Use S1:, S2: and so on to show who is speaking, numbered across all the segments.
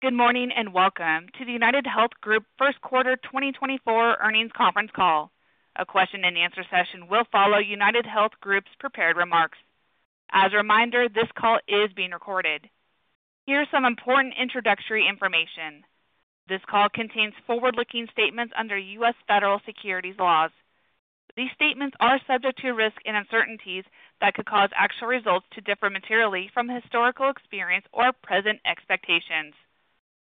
S1: Good morning and welcome to the UnitedHealth Group First Quarter 2024 Earnings Conference Call. A question-and-answer session will follow UnitedHealth Group's prepared remarks. As a reminder, this call is being recorded. Here's some important introductory information: this call contains forward-looking statements under U.S. federal securities laws. These statements are subject to risk and uncertainties that could cause actual results to differ materially from historical experience or present expectations.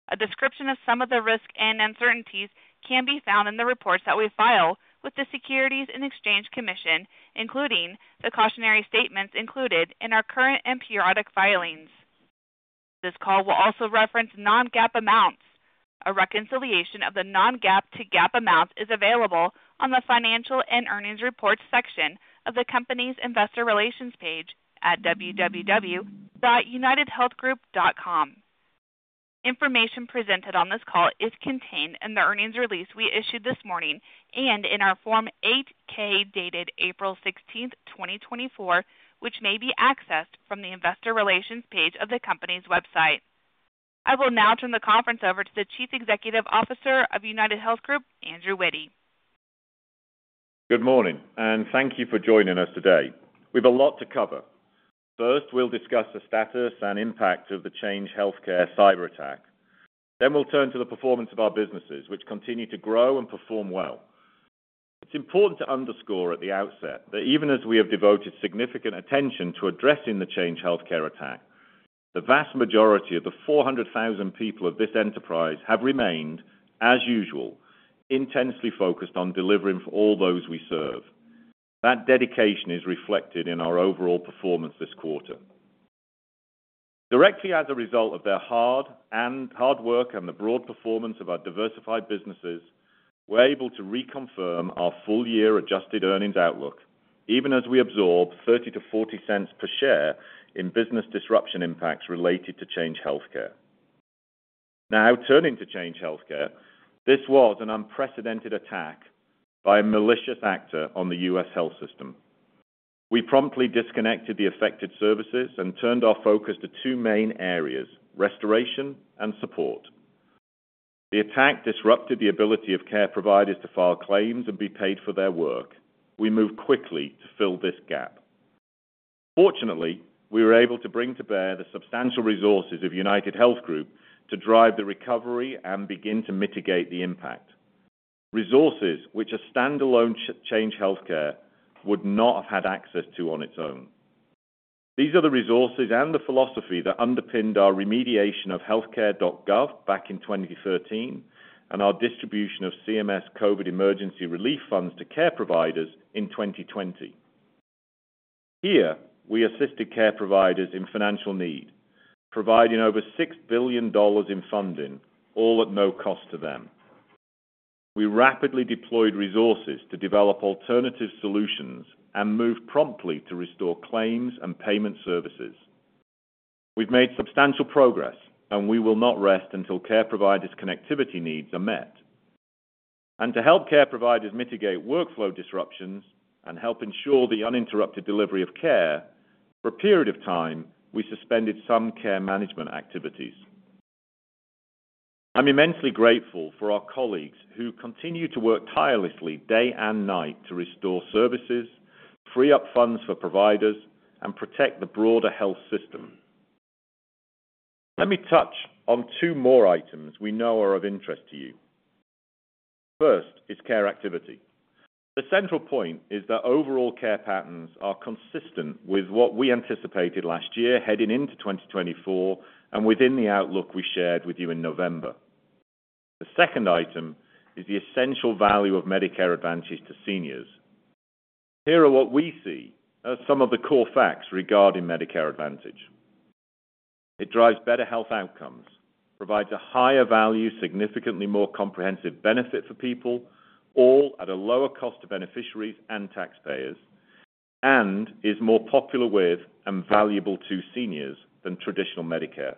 S1: A description of some of the risk and uncertainties can be found in the reports that we file with the Securities and Exchange Commission, including the cautionary statements included in our current and periodic filings. This call will also reference non-GAAP amounts. A reconciliation of the non-GAAP to GAAP amounts is available on the Financial and Earnings Reports section of the Company's Investor Relations page at www.unitedhealthgroup.com. Information presented on this call is contained in the earnings release we issued this morning and in our Form 8-K dated April 16, 2024, which may be accessed from the Investor Relations page of the company's website. I will now turn the conference over to the Chief Executive Officer of UnitedHealth Group, Andrew Witty.
S2: Good morning, and thank you for joining us today. We've a lot to cover. First, we'll discuss the status and impact of the Change Healthcare cyberattack. Then we'll turn to the performance of our businesses, which continue to grow and perform well. It's important to underscore at the outset that even as we have devoted significant attention to addressing the Change Healthcare attack, the vast majority of the 400,000 people of this enterprise have remained, as usual, intensely focused on delivering for all those we serve. That dedication is reflected in our overall performance this quarter. Directly as a result of their hard work and the broad performance of our diversified businesses, we're able to reconfirm our full-year adjusted earnings outlook, even as we absorb $0.30-$0.40 per share in business disruption impacts related to Change Healthcare. Now, turning to Change Healthcare, this was an unprecedented attack by a malicious actor on the U.S. health system. We promptly disconnected the affected services and turned our focus to two main areas: restoration and support. The attack disrupted the ability of care providers to file claims and be paid for their work. We move quickly to fill this gap. Fortunately, we were able to bring to bear the substantial resources of UnitedHealth Group to drive the recovery and begin to mitigate the impact, resources which a standalone Change Healthcare would not have had access to on its own. These are the resources and the philosophy that underpinned our remediation of HealthCare.gov back in 2013 and our distribution of CMS COVID emergency relief funds to care providers in 2020. Here, we assisted care providers in financial need, providing over $6 billion in funding, all at no cost to them. We rapidly deployed resources to develop alternative solutions and move promptly to restore claims and payment services. We've made substantial progress, and we will not rest until care providers' connectivity needs are met. And to help care providers mitigate workflow disruptions and help ensure the uninterrupted delivery of care, for a period of time we suspended some care management activities. I'm immensely grateful for our colleagues who continue to work tirelessly day and night to restore services, free up funds for providers, and protect the broader health system. Let me touch on two more items we know are of interest to you. First is care activity. The central point is that overall care patterns are consistent with what we anticipated last year heading into 2024 and within the outlook we shared with you in November. The second item is the essential value of Medicare Advantage to seniors. Here are what we see as some of the core facts regarding Medicare Advantage. It drives better health outcomes, provides a higher value, significantly more comprehensive benefit for people, all at a lower cost to beneficiaries and taxpayers, and is more popular with and valuable to seniors than traditional Medicare.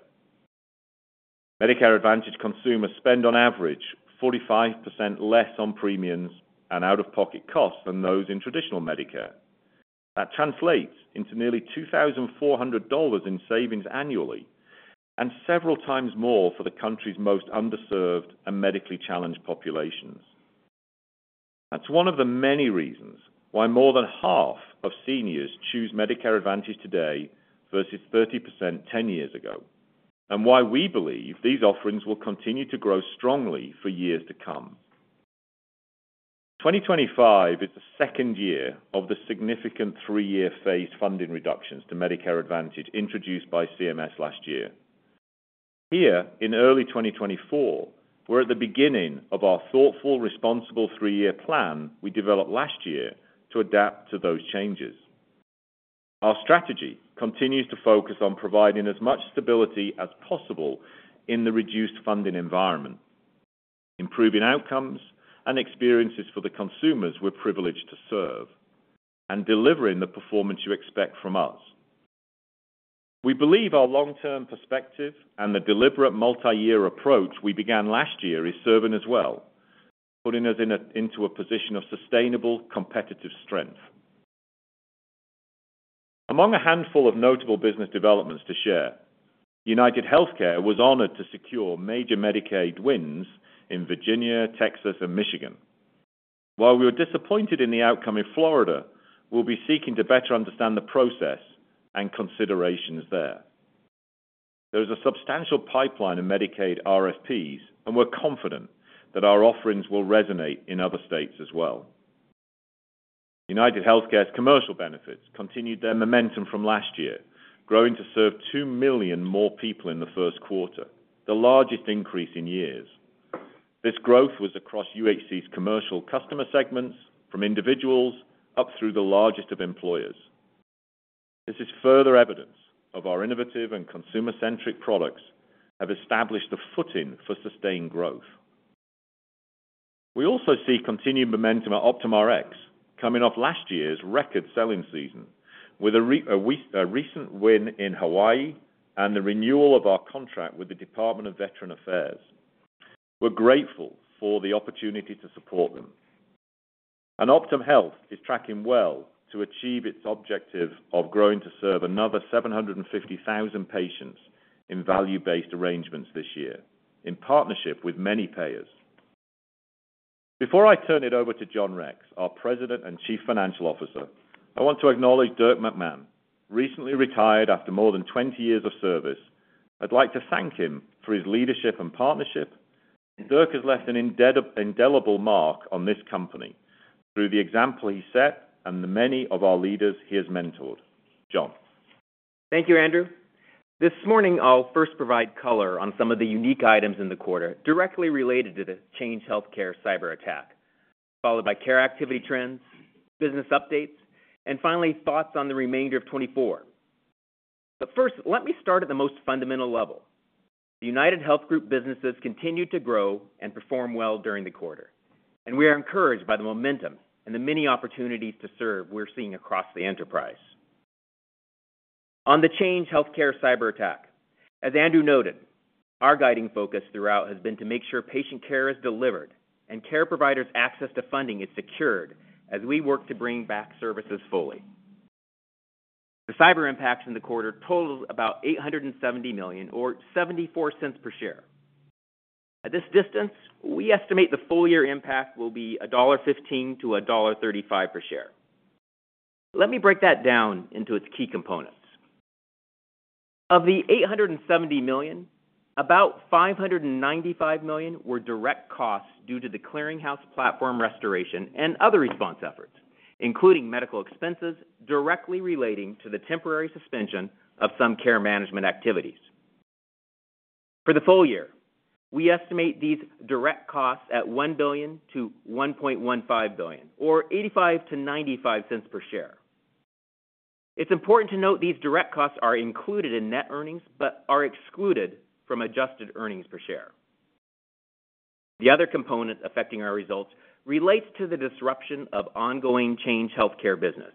S2: Medicare Advantage consumers spend on average 45% less on premiums and out-of-pocket costs than those in traditional Medicare. That translates into nearly $2,400 in savings annually and several times more for the country's most underserved and medically challenged populations. That's one of the many reasons why more than half of seniors choose Medicare Advantage today versus 30% 10 years ago, and why we believe these offerings will continue to grow strongly for years to come. 2025 is the second year of the significant three-year phase funding reductions to Medicare Advantage introduced by CMS last year. Here in early 2024, we're at the beginning of our thoughtful, responsible three-year plan we developed last year to adapt to those changes. Our strategy continues to focus on providing as much stability as possible in the reduced funding environment, improving outcomes and experiences for the consumers we're privileged to serve, and delivering the performance you expect from us. We believe our long-term perspective and the deliberate multi-year approach we began last year is serving as well, putting us into a position of sustainable competitive strength. Among a handful of notable business developments to share, UnitedHealthcare was honored to secure major Medicaid wins in Virginia, Texas, and Michigan. While we were disappointed in the outcome in Florida, we'll be seeking to better understand the process and considerations there. There is a substantial pipeline of Medicaid RFPs, and we're confident that our offerings will resonate in other states as well. UnitedHealthcare's commercial benefits continued their momentum from last year, growing to serve 2 million more people in the first quarter, the largest increase in years. This growth was across UHC's commercial customer segments, from individuals up through the largest of employers. This is further evidence of our innovative and consumer-centric products have established the footing for sustained growth. We also see continued momentum at Optum Rx coming off last year's record selling season, with a recent win in Hawaii and the renewal of our contract with the Department of Veterans Affairs. We're grateful for the opportunity to support them. Optum Health is tracking well to achieve its objective of growing to serve another 750,000 patients in value-based arrangements this year in partnership with many payers. Before I turn it over to John Rex, our President and Chief Financial Officer, I want to acknowledge Dirk McMahon, recently retired after more than 20 years of service. I'd like to thank him for his leadership and partnership. Dirk has left an indelible mark on this company through the example he set and the many of our leaders he has mentored. John.
S3: Thank you, Andrew. This morning, I'll first provide color on some of the unique items in the quarter directly related to the Change Healthcare cyberattack, followed by care activity trends, business updates, and finally thoughts on the remainder of 2024. But first, let me start at the most fundamental level. UnitedHealth Group businesses continue to grow and perform well during the quarter, and we are encouraged by the momentum and the many opportunities to serve we're seeing across the enterprise. On the Change Healthcare cyberattack, as Andrew noted, our guiding focus throughout has been to make sure patient care is delivered and care providers' access to funding is secured as we work to bring back services fully. The cyber impacts in the quarter totaled about $870 million or $0.74 per share. At this distance, we estimate the full-year impact will be $1.15-$1.35 per share. Let me break that down into its key components. Of the $870 million, about $595 million were direct costs due to the clearinghouse platform restoration and other response efforts, including medical expenses directly relating to the temporary suspension of some care management activities. For the full year, we estimate these direct costs at $1 billion-$1.15 billion or $0.85-$0.95 per share. It's important to note these direct costs are included in net earnings but are excluded from Adjusted Earnings per share. The other component affecting our results relates to the disruption of ongoing Change Healthcare business.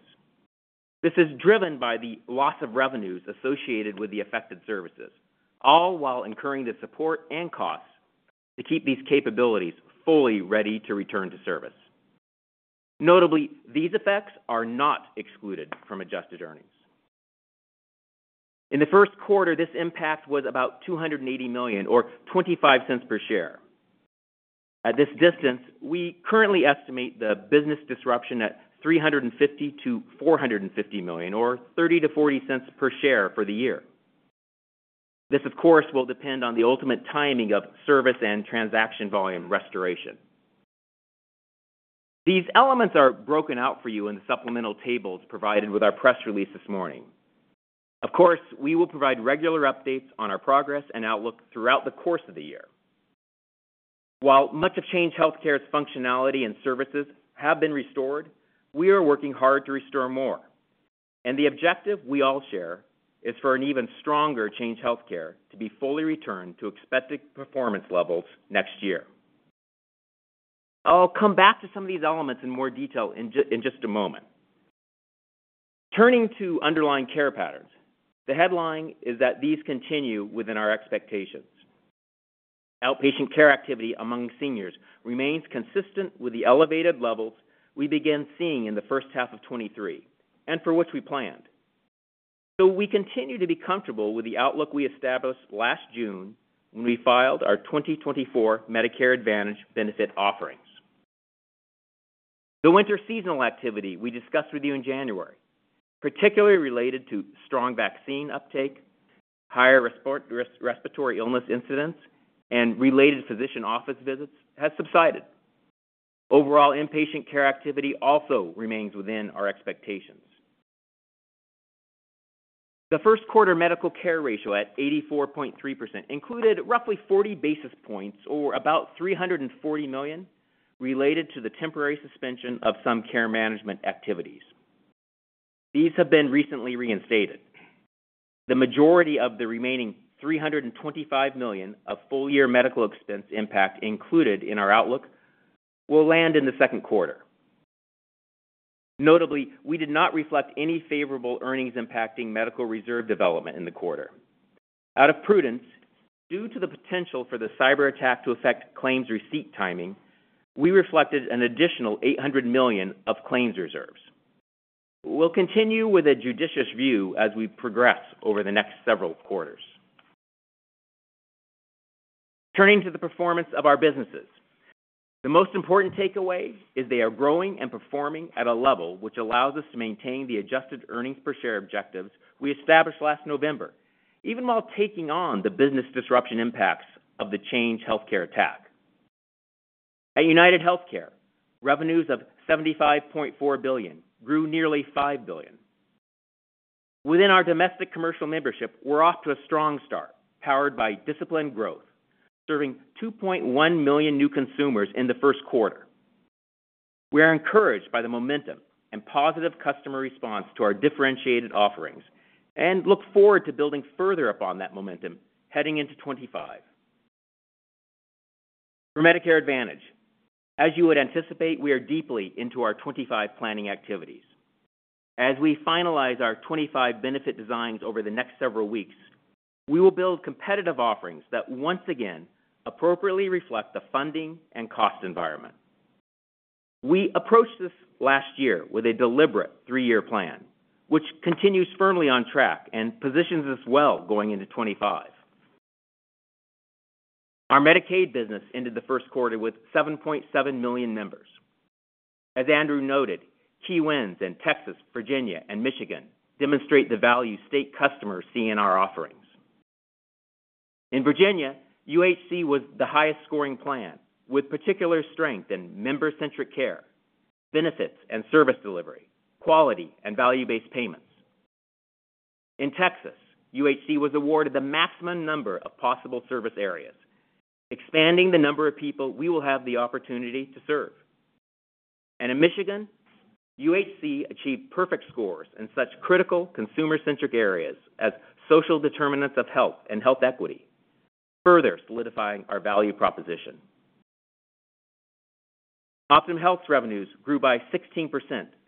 S3: This is driven by the loss of revenues associated with the affected services, all while incurring the support and costs to keep these capabilities fully ready to return to service. Notably, these effects are not excluded from Adjusted Earnings. In the first quarter, this impact was about $280 million or $0.25 per share. At this distance, we currently estimate the business disruption at $350 million-$450 million or $0.30-$0.40 per share for the year. This, of course, will depend on the ultimate timing of service and transaction volume restoration. These elements are broken out for you in the supplemental tables provided with our press release this morning. Of course, we will provide regular updates on our progress and outlook throughout the course of the year. While much of Change Healthcare's functionality and services have been restored, we are working hard to restore more. And the objective we all share is for an even stronger Change Healthcare to be fully returned to expected performance levels next year. I'll come back to some of these elements in more detail in just a moment. Turning to underlying care patterns, the headline is that these continue within our expectations. Outpatient care activity among seniors remains consistent with the elevated levels we began seeing in the first half of 2023 and for which we planned. We continue to be comfortable with the outlook we established last June when we filed our 2024 Medicare Advantage benefit offerings. The winter seasonal activity we discussed with you in January, particularly related to strong vaccine uptake, higher respiratory illness incidents, and related physician office visits, has subsided. Overall inpatient care activity also remains within our expectations. The first quarter medical care ratio at 84.3% included roughly 40 basis points or about $340 million related to the temporary suspension of some care management activities. These have been recently reinstated. The majority of the remaining $325 million of full-year medical expense impact included in our outlook will land in the second quarter. Notably, we did not reflect any favorable earnings impacting medical reserve development in the quarter. Out of prudence, due to the potential for the cyberattack to affect claims receipt timing, we reflected an additional $800 million of claims reserves. We'll continue with a judicious view as we progress over the next several quarters. Turning to the performance of our businesses, the most important takeaway is they are growing and performing at a level which allows us to maintain the adjusted earnings per share objectives we established last November, even while taking on the business disruption impacts of the Change Healthcare attack. At UnitedHealthcare, revenues of $75.4 billion grew nearly $5 billion. Within our domestic commercial membership, we're off to a strong start powered by disciplined growth, serving 2.1 million new consumers in the first quarter. We are encouraged by the momentum and positive customer response to our differentiated offerings and look forward to building further upon that momentum heading into 2025. For Medicare Advantage, as you would anticipate, we are deeply into our 2025 planning activities. As we finalize our 2025 benefit designs over the next several weeks, we will build competitive offerings that once again appropriately reflect the funding and cost environment. We approached this last year with a deliberate three-year plan, which continues firmly on track and positions us well going into 2025. Our Medicaid business ended the first quarter with 7.7 million members. As Andrew noted, key wins in Texas, Virginia, and Michigan demonstrate the value state customers see in our offerings. In Virginia, UHC was the highest-scoring plan with particular strength in member-centric care, benefits and service delivery, quality, and value-based payments. In Texas, UHC was awarded the maximum number of possible service areas, expanding the number of people we will have the opportunity to serve. And in Michigan, UHC achieved perfect scores in such critical consumer-centric areas as social determinants of health and health equity, further solidifying our value proposition. Optum Health's revenues grew by 16%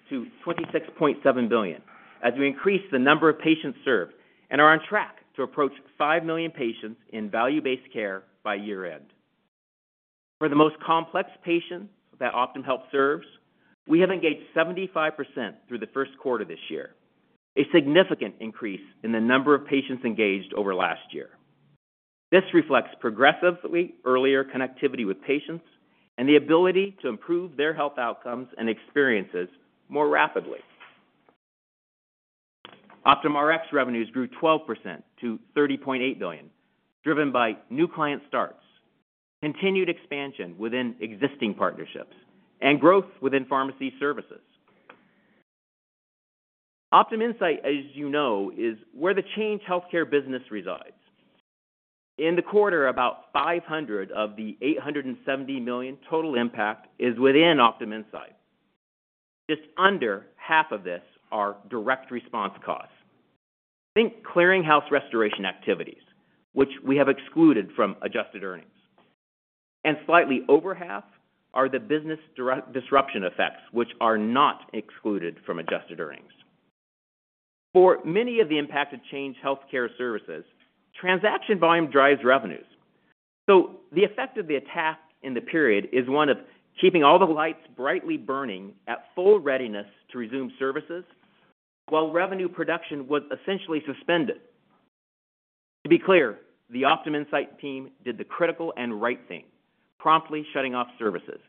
S3: to $26.7 billion as we increased the number of patients served and are on track to approach 5 million patients in value-based care by year-end. For the most complex patients that Optum Health serves, we have engaged 75% through the first quarter this year, a significant increase in the number of patients engaged over last year. This reflects progressively earlier connectivity with patients and the ability to improve their health outcomes and experiences more rapidly. Optum Rx revenues grew 12% to $30.8 billion, driven by new client starts, continued expansion within existing partnerships, and growth within pharmacy services. Optum Insight, as you know, is where the Change Healthcare business resides. In the quarter, about $500 million of the $870 million total impact is within Optum Insight. Just under half of this are direct response costs. Think clearinghouse restoration activities, which we have excluded from adjusted earnings. And slightly over half are the business disruption effects, which are not excluded from adjusted earnings. For many of the impacted Change Healthcare services, transaction volume drives revenues. So the effect of the attack in the period is one of keeping all the lights brightly burning at full readiness to resume services while revenue production was essentially suspended. To be clear, the Optum Insight team did the critical and right thing, promptly shutting off services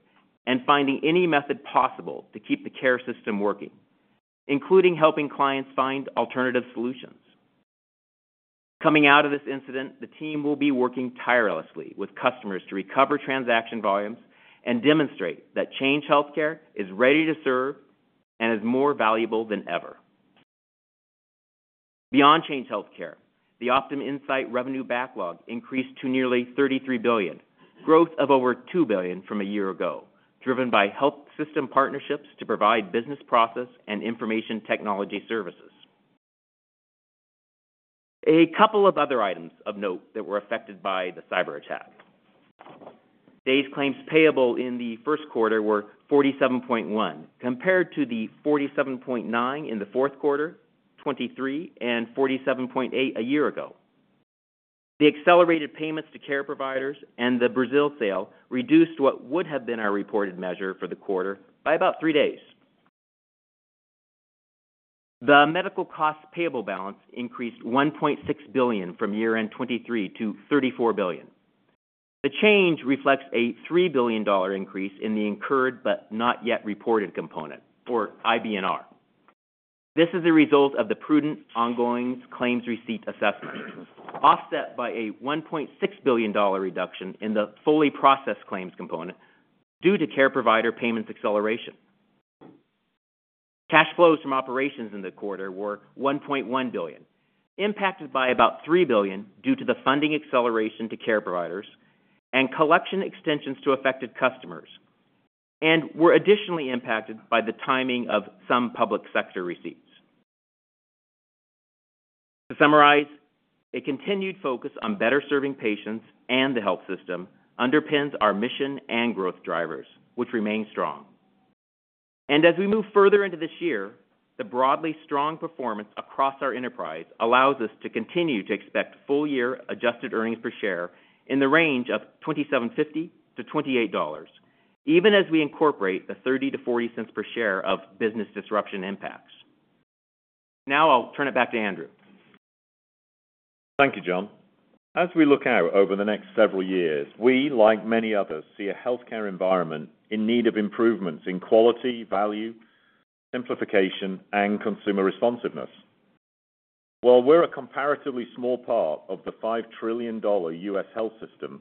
S3: and finding any method possible to keep the care system working, including helping clients find alternative solutions. Coming out of this incident, the team will be working tirelessly with customers to recover transaction volumes and demonstrate that Change Healthcare is ready to serve and is more valuable than ever. Beyond Change Healthcare, the Optum Insight revenue backlog increased to nearly $33 billion, growth of over $2 billion from a year ago, driven by health system partnerships to provide business process and information technology services. A couple of other items of note that were affected by the cyberattack. Days' claims payable in the first quarter were 47.1 compared to the 47.9 in the fourth quarter, 2023, and 47.8 a year ago. The accelerated payments to care providers and the Brazil sale reduced what would have been our reported measure for the quarter by about three days. The medical costs payable balance increased $1.6 billion from year-end 2023 to $34 billion. The change reflects a $3 billion increase in the Incurred But Not yet Reported component, or IBNR. This is the result of the prudent ongoing claims receipt assessment, offset by a $1.6 billion reduction in the fully processed claims component due to care provider payments acceleration. Cash flows from operations in the quarter were $1.1 billion, impacted by about $3 billion due to the funding acceleration to care providers and collection extensions to affected customers, and were additionally impacted by the timing of some public sector receipts. To summarize, a continued focus on better serving patients and the health system underpins our mission and growth drivers, which remain strong. As we move further into this year, the broadly strong performance across our enterprise allows us to continue to expect full-year adjusted earnings per share in the range of $27.50-$28, even as we incorporate the $0.30-$0.40 per share of business disruption impacts. Now I'll turn it back to Andrew.
S2: Thank you, John. As we look out over the next several years, we, like many others, see a healthcare environment in need of improvements in quality, value, simplification, and consumer responsiveness. While we're a comparatively small part of the $5 trillion U.S. health system,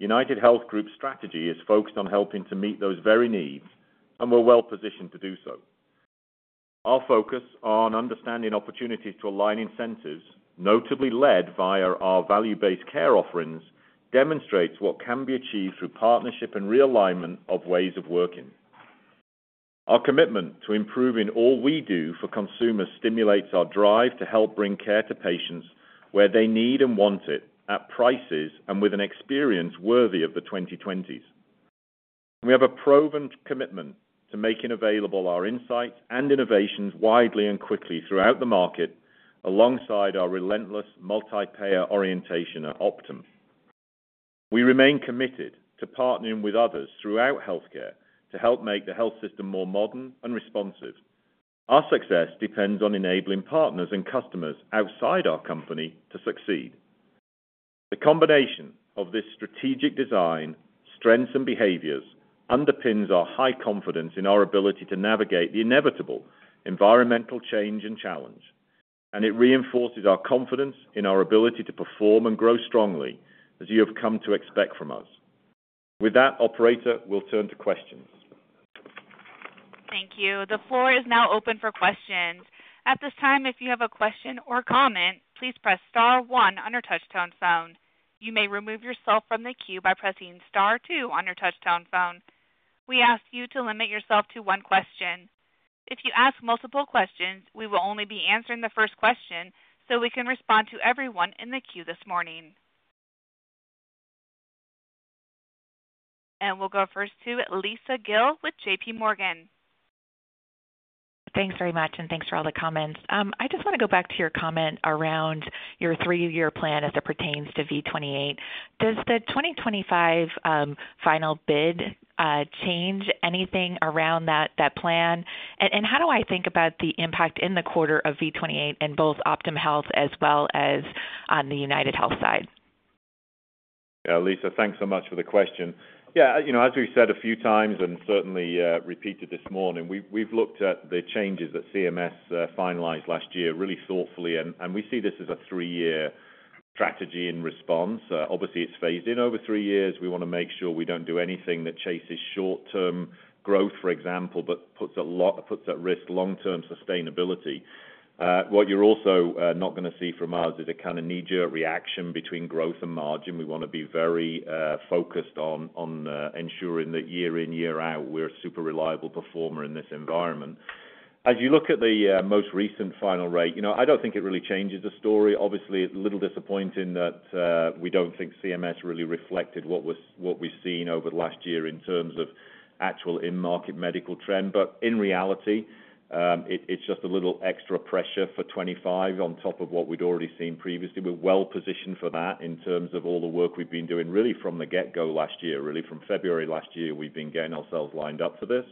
S2: UnitedHealth Group's strategy is focused on helping to meet those very needs, and we're well positioned to do so. Our focus on understanding opportunities to align incentives, notably led via our value-based care offerings, demonstrates what can be achieved through partnership and realignment of ways of working. Our commitment to improving all we do for consumers stimulates our drive to help bring care to patients where they need and want it, at prices and with an experience worthy of the 2020s. We have a proven commitment to making available our insights and innovations widely and quickly throughout the market alongside our relentless multi-payer orientation at Optum. We remain committed to partnering with others throughout healthcare to help make the health system more modern and responsive. Our success depends on enabling partners and customers outside our company to succeed. The combination of this strategic design, strengths, and behaviors underpins our high confidence in our ability to navigate the inevitable environmental change and challenge, and it reinforces our confidence in our ability to perform and grow strongly as you have come to expect from us. With that, operator, we'll turn to questions.
S1: Thank you. The floor is now open for questions. At this time, if you have a question or comment, please press star one on your touch-tone phone. You may remove yourself from the queue by pressing star two on your touch-tone phone. We ask you to limit yourself to one question. If you ask multiple questions, we will only be answering the first question so we can respond to everyone in the queue this morning. We'll go first to Lisa Gill with JPMorgan.
S4: Thanks very much, and thanks for all the comments. I just want to go back to your comment around your three-year plan as it pertains to V28. Does the 2025 final bid change anything around that plan? And how do I think about the impact in the quarter of V28 in both Optum Health as well as on the UnitedHealth side?
S2: Lisa, thanks so much for the question. Yeah, as we've said a few times and certainly repeated this morning, we've looked at the changes that CMS finalized last year really thoughtfully, and we see this as a three-year strategy in response. Obviously, it's phased in over three years. We want to make sure we don't do anything that chases short-term growth, for example, but puts at risk long-term sustainability. What you're also not going to see from ours is a kind of knee-jerk reaction between growth and margin. We want to be very focused on ensuring that year in, year out, we're a super reliable performer in this environment. As you look at the most recent final rate, I don't think it really changes the story. Obviously, it's a little disappointing that we don't think CMS really reflected what we've seen over the last year in terms of actual in-market medical trend. But in reality, it's just a little extra pressure for 2025 on top of what we'd already seen previously. We're well positioned for that in terms of all the work we've been doing really from the get-go last year, really from February last year, we've been getting ourselves lined up for this.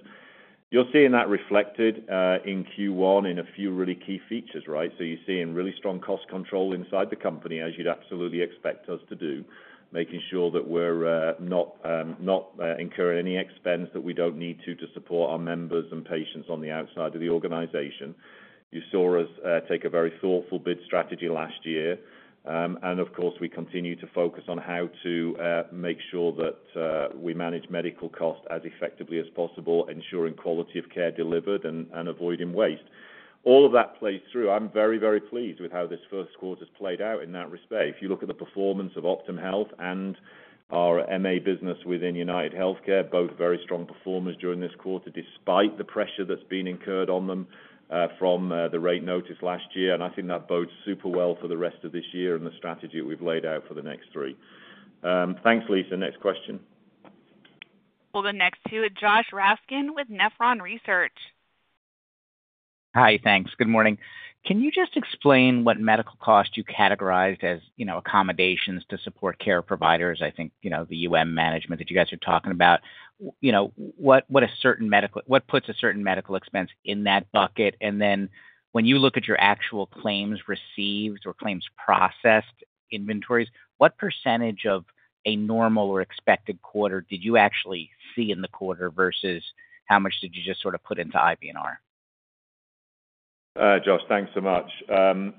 S2: You're seeing that reflected in Q1 in a few really key features, right? So you're seeing really strong cost control inside the company as you'd absolutely expect us to do, making sure that we're not incurring any expense that we don't need to support our members and patients on the outside of the organization. You saw us take a very thoughtful bid strategy last year. Of course, we continue to focus on how to make sure that we manage medical costs as effectively as possible, ensuring quality of care delivered and avoiding waste. All of that plays through. I'm very, very pleased with how this first quarter's played out in that respect. If you look at the performance of Optum Health and our MA business within UnitedHealthcare, both very strong performers during this quarter despite the pressure that's been incurred on them from the rate notice last year. I think that bodes super well for the rest of this year and the strategy that we've laid out for the next three. Thanks, Lisa. Next question.
S1: For the next two, it's Josh Raskin with Nephron Research.
S5: Hi, thanks. Good morning. Can you just explain what medical costs you categorized as accommodations to support care providers? I think the management that you guys are talking about, what puts a certain medical expense in that bucket? And then when you look at your actual claims received or claims processed inventories, what percentage of a normal or expected quarter did you actually see in the quarter versus how much did you just sort of put into IBNR?
S2: Josh, thanks so much. I'm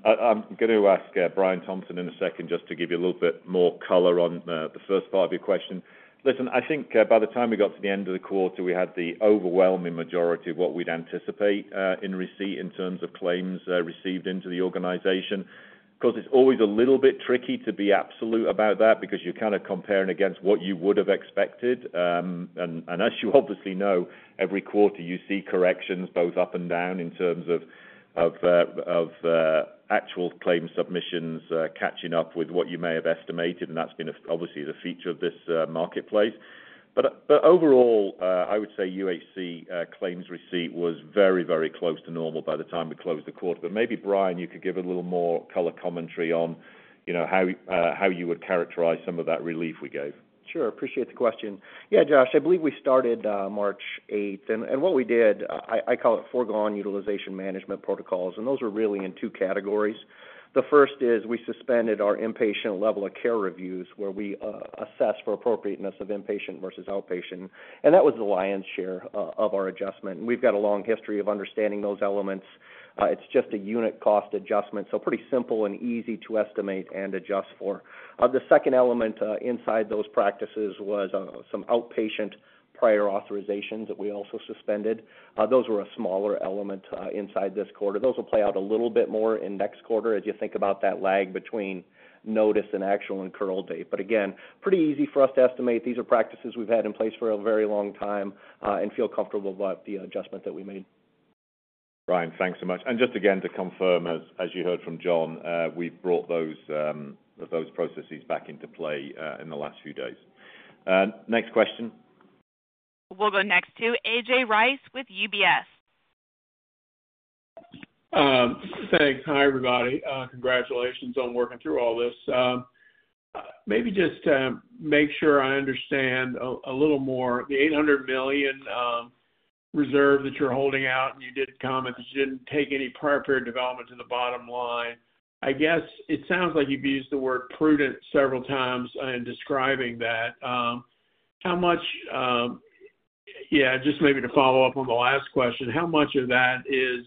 S2: going to ask Brian Thompson in a second just to give you a little bit more color on the first part of your question. Listen, I think by the time we got to the end of the quarter, we had the overwhelming majority of what we'd anticipate in receipt in terms of claims received into the organization. Of course, it's always a little bit tricky to be absolute about that because you're kind of comparing against what you would have expected. And as you obviously know, every quarter you see corrections both up and down in terms of actual claim submissions catching up with what you may have estimated. And that's been obviously the feature of this marketplace. Overall, I would say UHC claims receipt was very, very close to normal by the time we closed the quarter. Maybe, Brian, you could give a little more color commentary on how you would characterize some of that relief we gave.
S6: Sure. Appreciate the question. Yeah, Josh, I believe we started March 8th. What we did, I call it foregone utilization management protocols. Those were really in two categories. The first is we suspended our inpatient level of care reviews where we assess for appropriateness of inpatient versus outpatient. That was the lion's share of our adjustment. We've got a long history of understanding those elements. It's just a unit cost adjustment, so pretty simple and easy to estimate and adjust for. The second element inside those practices was some outpatient prior authorizations that we also suspended. Those were a smaller element inside this quarter. Those will play out a little bit more in next quarter as you think about that lag between notice and actual incurral date. But again, pretty easy for us to estimate. These are practices we've had in place for a very long time and feel comfortable about the adjustment that we made.
S2: Brian, thanks so much. Just again, to confirm, as you heard from John, we've brought those processes back into play in the last few days. Next question.
S1: We'll go next to A.J. Rice with UBS.
S7: Thanks. Hi, everybody. Congratulations on working through all this. Maybe just make sure I understand a little more. The $800 million reserve that you're holding out, and you did comment that you didn't take any prior-payer development to the bottom line. I guess it sounds like you've used the word prudent several times in describing that. Yeah, just maybe to follow up on the last question, how much of that is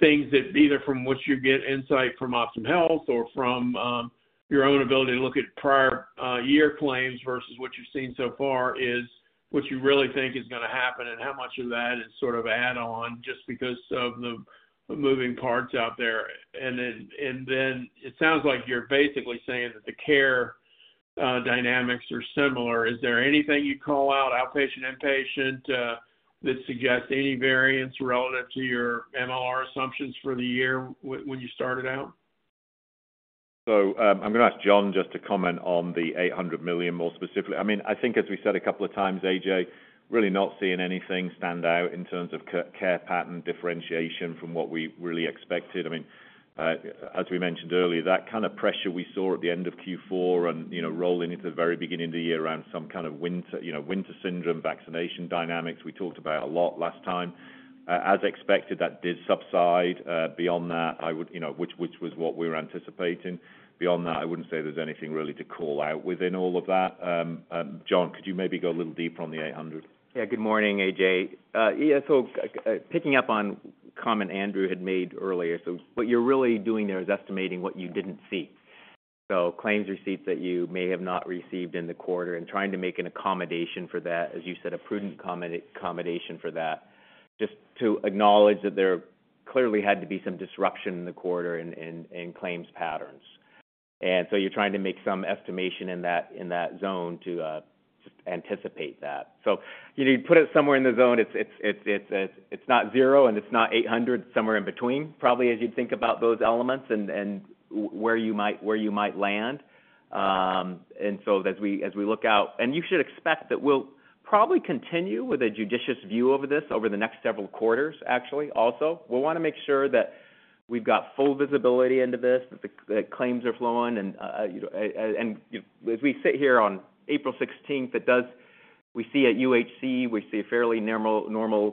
S7: things that either from which you get insight from Optum Health or from your own ability to look at prior-year claims versus what you've seen so far is what you really think is going to happen, and how much of that is sort of add-on just because of the moving parts out there? And then it sounds like you're basically saying that the care dynamics are similar. Is there anything you call out, outpatient, inpatient, that suggests any variance relative to your MLR assumptions for the year when you started out?
S2: So I'm going to ask John just to comment on the $800 million more specifically. I mean, I think as we said a couple of times, A.J., really not seeing anything stand out in terms of care pattern differentiation from what we really expected. I mean, as we mentioned earlier, that kind of pressure we saw at the end of Q4 and rolling into the very beginning of the year around some kind of winter syndrome vaccination dynamics we talked about a lot last time, as expected, that did subside. Beyond that, which was what we were anticipating, beyond that, I wouldn't say there's anything really to call out within all of that. John, could you maybe go a little deeper on the $800?
S3: Yeah, good morning, A.J.. Yeah, so picking up on comment Andrew had made earlier, so what you're really doing there is estimating what you didn't see. So claims receipts that you may have not received in the quarter and trying to make an accommodation for that, as you said, a prudent accommodation for that, just to acknowledge that there clearly had to be some disruption in the quarter in claims patterns. And so you're trying to make some estimation in that zone to just anticipate that. So you'd put it somewhere in the zone. It's not zero, and it's not 800. It's somewhere in between, probably, as you'd think about those elements and where you might land. And so as we look out and you should expect that we'll probably continue with a judicious view over this over the next several quarters, actually. We'll want to make sure that we've got full visibility into this, that claims are flowing. As we sit here on April 16th, we see at UHC, we see fairly normal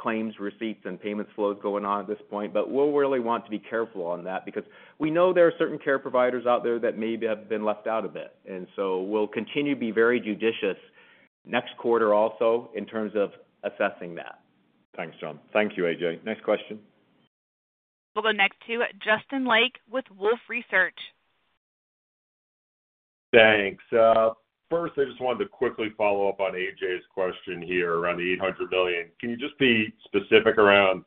S3: claims receipts and payments flows going on at this point. But we'll really want to be careful on that because we know there are certain care providers out there that maybe have been left out a bit. And so we'll continue to be very judicious next quarter also in terms of assessing that.
S2: Thanks, John. Thank you, A.J.. Next question.
S1: We'll go next to Justin Lake with Wolfe Research.
S8: Thanks. First, I just wanted to quickly follow up on A.J.'s question here around the $800 million. Can you just be specific around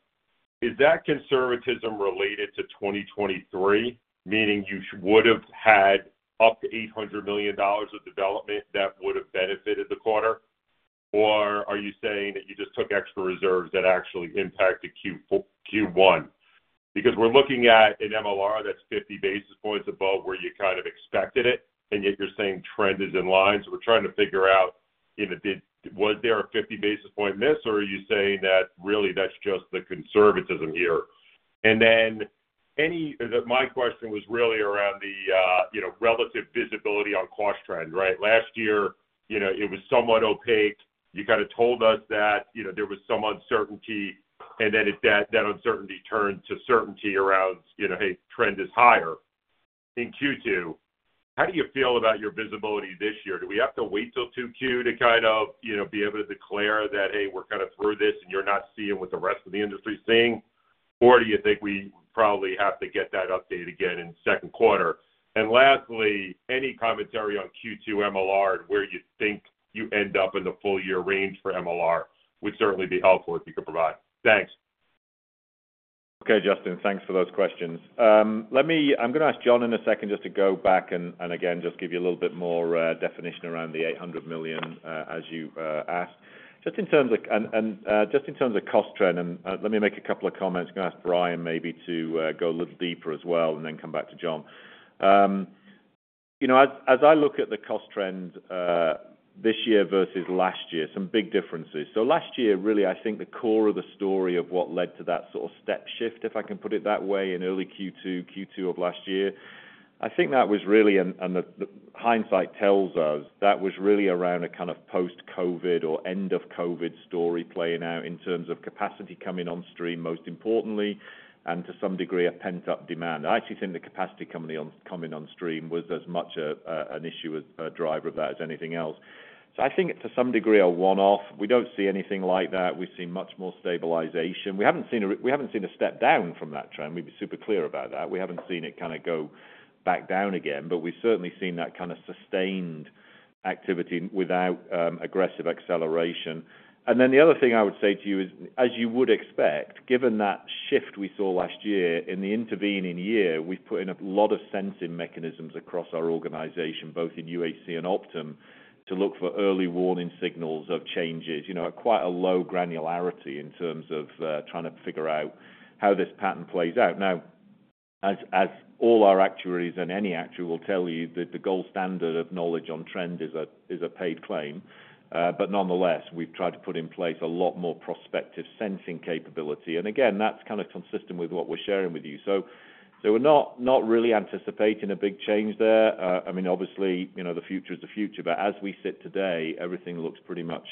S8: is that conservatism related to 2023, meaning you would have had up to $800 million of development that would have benefited the quarter? Or are you saying that you just took extra reserves that actually impacted Q1? Because we're looking at an MLR that's 50 basis points above where you kind of expected it, and yet you're saying trend is in line. So we're trying to figure out, was there a 50 basis point miss, or are you saying that really that's just the conservatism here? And then my question was really around the relative visibility on cost trend, right? Last year, it was somewhat opaque. You kind of told us that there was some uncertainty, and then that uncertainty turned to certainty around, "Hey, trend is higher." In Q2, how do you feel about your visibility this year? Do we have to wait till 2Q to kind of be able to declare that, "Hey, we're kind of through this, and you're not seeing what the rest of the industry is seeing"? Or do you think we probably have to get that update again in second quarter? And lastly, any commentary on Q2 MLR and where you think you end up in the full-year range for MLR would certainly be helpful if you could provide. Thanks.
S2: Okay, Justin. Thanks for those questions. I'm going to ask John in a second just to go back and again just give you a little bit more definition around the $800 million as you asked. Just in terms of cost trend, and let me make a couple of comments. I'm going to ask Brian maybe to go a little deeper as well and then come back to John. As I look at the cost trend this year versus last year, some big differences. So last year, really, I think the core of the story of what led to that sort of step shift, if I can put it that way, in early Q2, Q2 of last year, I think that was really and hindsight tells us that was really around a kind of post-COVID or end-of-COVID story playing out in terms of capacity coming on stream, most importantly, and to some degree, a pent-up demand. I actually think the capacity coming on stream was as much an issue as a driver of that as anything else. So I think to some degree, a one-off. We don't see anything like that. We've seen much more stabilization. We haven't seen a step down from that trend. We'd be super clear about that. We haven't seen it kind of go back down again, but we've certainly seen that kind of sustained activity without aggressive acceleration. And then the other thing I would say to you is, as you would expect, given that shift we saw last year, in the intervening year, we've put in a lot of sensing mechanisms across our organization, both in UHC and Optum, to look for early warning signals of changes at quite a low granularity in terms of trying to figure out how this pattern plays out. Now, as all our actuaries and any actuary will tell you, the gold standard of knowledge on trend is a paid claim. But nonetheless, we've tried to put in place a lot more prospective sensing capability. And again, that's kind of consistent with what we're sharing with you. So we're not really anticipating a big change there. I mean, obviously, the future is the future, but as we sit today, everything looks pretty much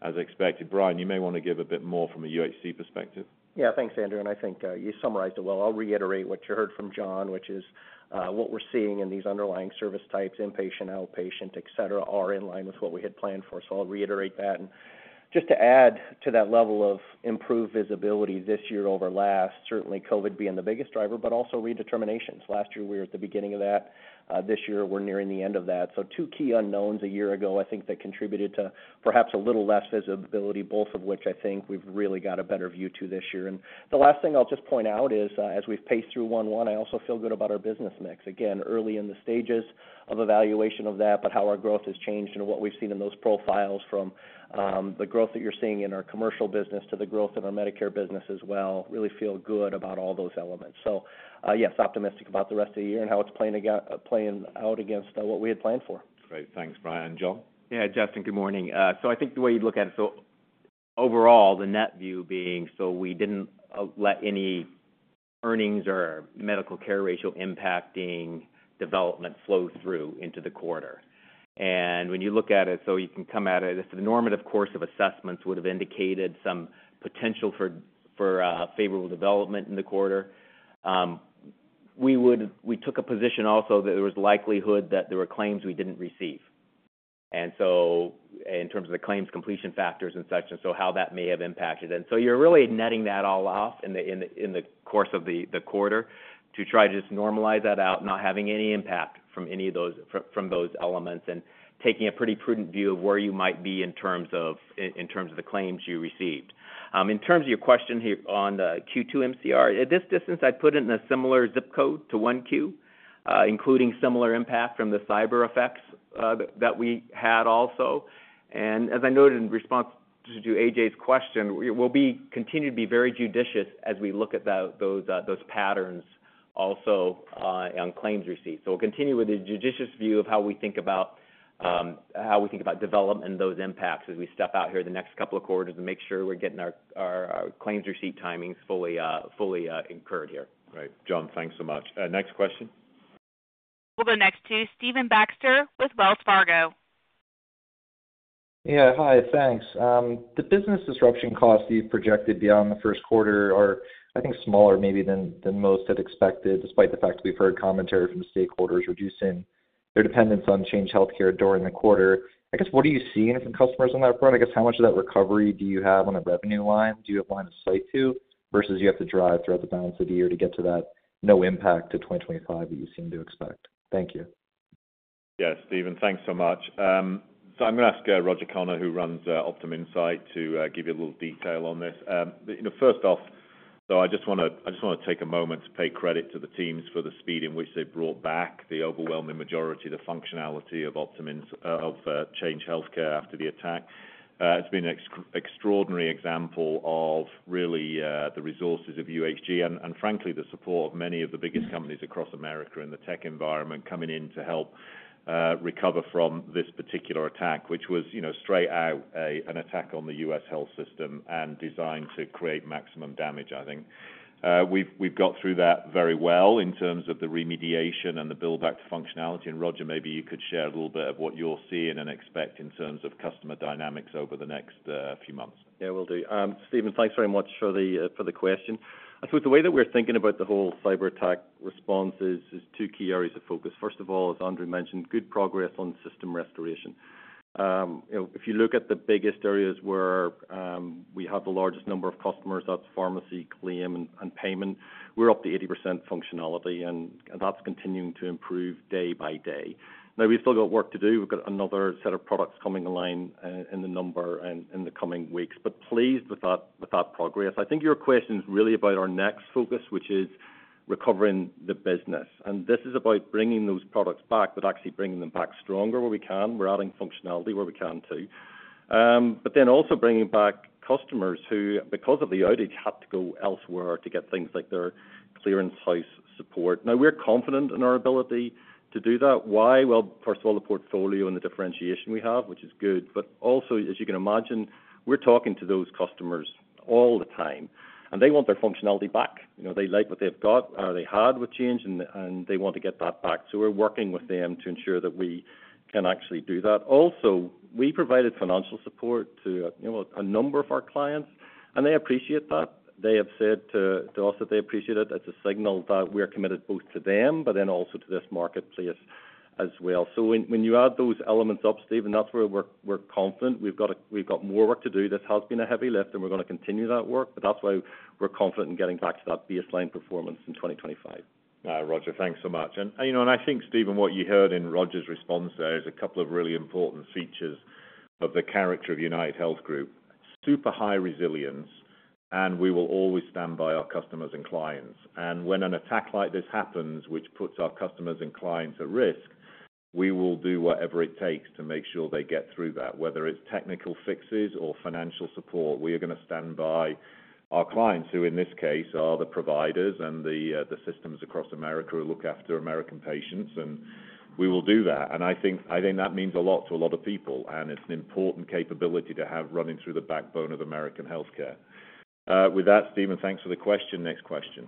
S2: as expected. Brian, you may want to give a bit more from a UHC perspective.
S6: Yeah, thanks, Andrew. I think you summarized it well. I'll reiterate what you heard from John, which is what we're seeing in these underlying service types, inpatient, outpatient, etc., are in line with what we had planned for. I'll reiterate that. Just to add to that level of improved visibility this year over last, certainly COVID being the biggest driver, but also redeterminations. Last year, we were at the beginning of that. This year, we're nearing the end of that. Two key unknowns a year ago, I think, that contributed to perhaps a little less visibility, both of which I think we've really got a better view to this year. The last thing I'll just point out is, as we've paced through 1/1, I also feel good about our business mix. Again, early in the stages of evaluation of that, but how our growth has changed and what we've seen in those profiles from the growth that you're seeing in our commercial business to the growth in our Medicare business as well, really feel good about all those elements. So yes, optimistic about the rest of the year and how it's playing out against what we had planned for.
S2: Great. Thanks, Brian. John?
S3: Yeah, Justin, good morning. So I think the way you'd look at it, so overall, the net view being, so we didn't let any earnings or medical care ratio impacting development flow through into the quarter. And when you look at it, so you can come at it, if the normative course of assessments would have indicated some potential for favorable development in the quarter, we took a position also that there was likelihood that there were claims we didn't receive. And so in terms of the claims completion factors and such, and so how that may have impacted. And so you're really netting that all off in the course of the quarter to try to just normalize that out, not having any impact from those elements, and taking a pretty prudent view of where you might be in terms of the claims you received. In terms of your question here on Q2 MCR, at this distance, I'd put it in a similar zip code to 1Q, including similar impact from the cyber effects that we had also. As I noted in response to AJ's question, we'll continue to be very judicious as we look at those patterns also on claims receipts. We'll continue with a judicious view of how we think about how we think about development and those impacts as we step out here the next couple of quarters and make sure we're getting our claims receipt timings fully incurred here.
S2: Great. John, thanks so much. Next question.
S1: We'll go next to Stephen Baxter with Wells Fargo.
S9: Yeah, hi. Thanks. The business disruption costs that you've projected beyond the first quarter are, I think, smaller maybe than most had expected, despite the fact we've heard commentary from stakeholders reducing their dependence on Change Healthcare during the quarter. I guess what are you seeing from customers on that front? I guess how much of that recovery do you have on a revenue line? Do you have line of sight to versus you have to drive throughout the balance of the year to get to that no impact to 2025 that you seem to expect? Thank you.
S2: Yeah, Stephen, thanks so much. So I'm going to ask Roger Connor, who runs Optum Insight, to give you a little detail on this. First off, though, I just want to take a moment to pay credit to the teams for the speed in which they brought back the overwhelming majority of the functionality of Change Healthcare after the attack. It's been an extraordinary example of really the resources of UHG and, frankly, the support of many of the biggest companies across America in the tech environment coming in to help recover from this particular attack, which was straight out an attack on the U.S. health system and designed to create maximum damage, I think. We've got through that very well in terms of the remediation and the buildback to functionality. Roger, maybe you could share a little bit of what you're seeing and expect in terms of customer dynamics over the next few months.
S10: Yeah, we'll do. Stephen, thanks very much for the question. I suppose the way that we're thinking about the whole cyberattack response is two key areas of focus. First of all, as Andrew mentioned, good progress on system restoration. If you look at the biggest areas where we have the largest number of customers, that's pharmacy claim and payment, we're up to 80% functionality, and that's continuing to improve day by day. Now, we've still got work to do. We've got another set of products coming along in the coming weeks. But pleased with that progress. I think your question is really about our next focus, which is recovering the business. And this is about bringing those products back, but actually bringing them back stronger where we can. We're adding functionality where we can too. But then also bringing back customers who, because of the outage, had to go elsewhere to get things like their clearinghouse support. Now, we're confident in our ability to do that. Why? Well, first of all, the portfolio and the differentiation we have, which is good. But also, as you can imagine, we're talking to those customers all the time, and they want their functionality back. They like what they've got or they had with Change, and they want to get that back. So we're working with them to ensure that we can actually do that. Also, we provided financial support to a number of our clients, and they appreciate that. They have said to us that they appreciate it. It's a signal that we're committed both to them, but then also to this marketplace as well. So when you add those elements up, Stephen, that's where we're confident. We've got more work to do. This has been a heavy lift, and we're going to continue that work. But that's why we're confident in getting back to that baseline performance in 2025.
S2: Roger, thanks so much. I think, Stephen, what you heard in Roger's response there is a couple of really important features of the character of UnitedHealth Group. Super high resilience, and we will always stand by our customers and clients. When an attack like this happens, which puts our customers and clients at risk, we will do whatever it takes to make sure they get through that. Whether it's technical fixes or financial support, we are going to stand by our clients, who in this case are the providers and the systems across America who look after American patients. And we will do that. I think that means a lot to a lot of people, and it's an important capability to have running through the backbone of American healthcare. With that, Stephen, thanks for the question. Next question.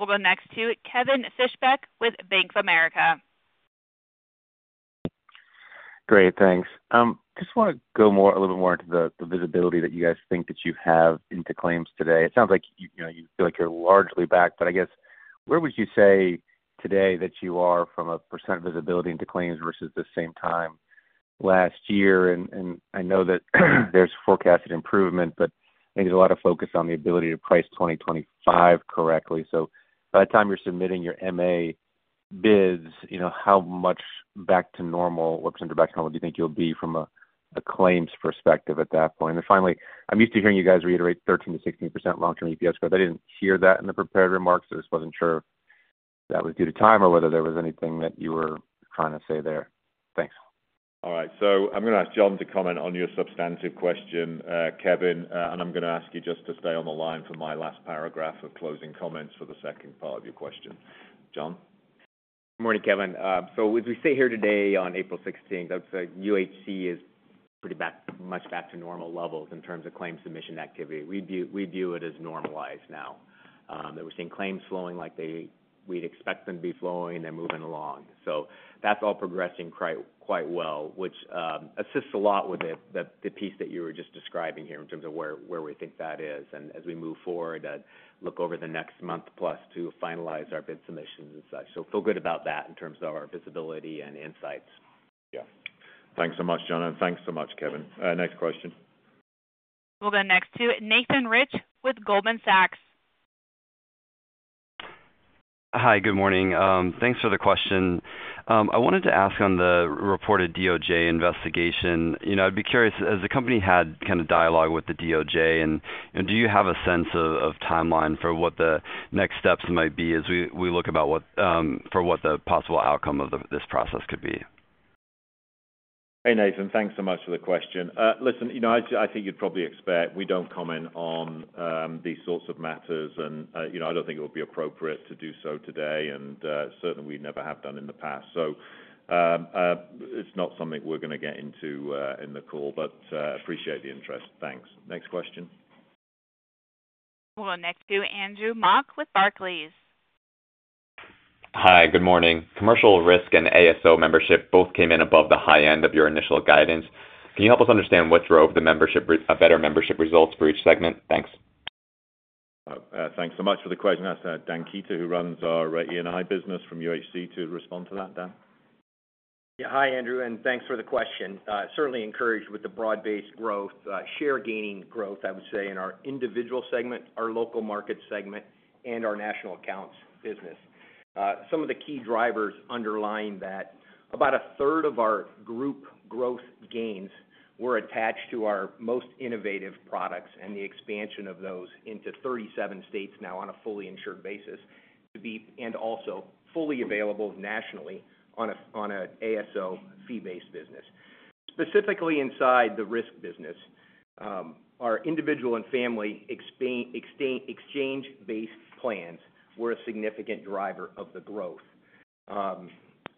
S1: We'll go next to Kevin Fishbeck with Bank of America.
S11: Great. Thanks. Just want to go a little bit more into the visibility that you guys think that you have into claims today. It sounds like you feel like you're largely back, but I guess where would you say today that you are from a percent visibility into claims versus the same time last year? And I know that there's forecasted improvement, but I think there's a lot of focus on the ability to price 2025 correctly. So by the time you're submitting your MA bids, how much back to normal, what [percentage] back to normal do you think you'll be from a claims perspective at that point? And then finally, I'm used to hearing you guys reiterate 13%-16% long-term EPS growth. I didn't hear that in the prepared remarks, so just wasn't sure if that was due to time or whether there was anything that you were trying to say there. Thanks.
S2: All right. So I'm going to ask John to comment on your substantive question, Kevin. I'm going to ask you just to stay on the line for my last paragraph of closing comments for the second part of your question. John?
S3: Good morning, Kevin. So as we sit here today on April 16th, I would say UHC is pretty much back to normal levels in terms of claim submission activity. We view it as normalized now that we're seeing claims flowing like we'd expect them to be flowing, and they're moving along. So that's all progressing quite well, which assists a lot with the piece that you were just describing here in terms of where we think that is. And as we move forward, look over the next month plus to finalize our bid submissions and such. So feel good about that in terms of our visibility and insights.
S2: Yeah. Thanks so much, John. Thanks so much, Kevin. Next question.
S1: We'll go next to Nathan Rich with Goldman Sachs.
S12: Hi. Good morning. Thanks for the question. I wanted to ask on the reported DOJ investigation. I'd be curious, has the company had kind of dialogue with the DOJ, and do you have a sense of timeline for what the next steps might be as we look about for what the possible outcome of this process could be?
S2: Hey, Nathan. Thanks so much for the question. Listen, I think you'd probably expect we don't comment on these sorts of matters, and I don't think it would be appropriate to do so today, and certainly, we never have done in the past. So it's not something we're going to get into in the call, but appreciate the interest. Thanks. Next question.
S1: We'll go next to Andrew Mok with Barclays.
S13: Hi. Good morning. Commercial risk and ASO membership both came in above the high end of your initial guidance. Can you help us understand what drove a better membership results for each segment? Thanks.
S2: Thanks so much for the question. I'll ask Dan Kueter, who runs our E&I business from UHC, to respond to that. Dan?
S14: Yeah. Hi, Andrew. Thanks for the question. Certainly encouraged with the broad-based growth, share-gaining growth, I would say, in our individual segment, our local market segment, and our national accounts business. Some of the key drivers underlying that, about a third of our group growth gains were attached to our most innovative products and the expansion of those into 37 states now on a fully insured basis and also fully available nationally on an ASO fee-based business. Specifically inside the risk business, our individual and family exchange-based plans were a significant driver of the growth.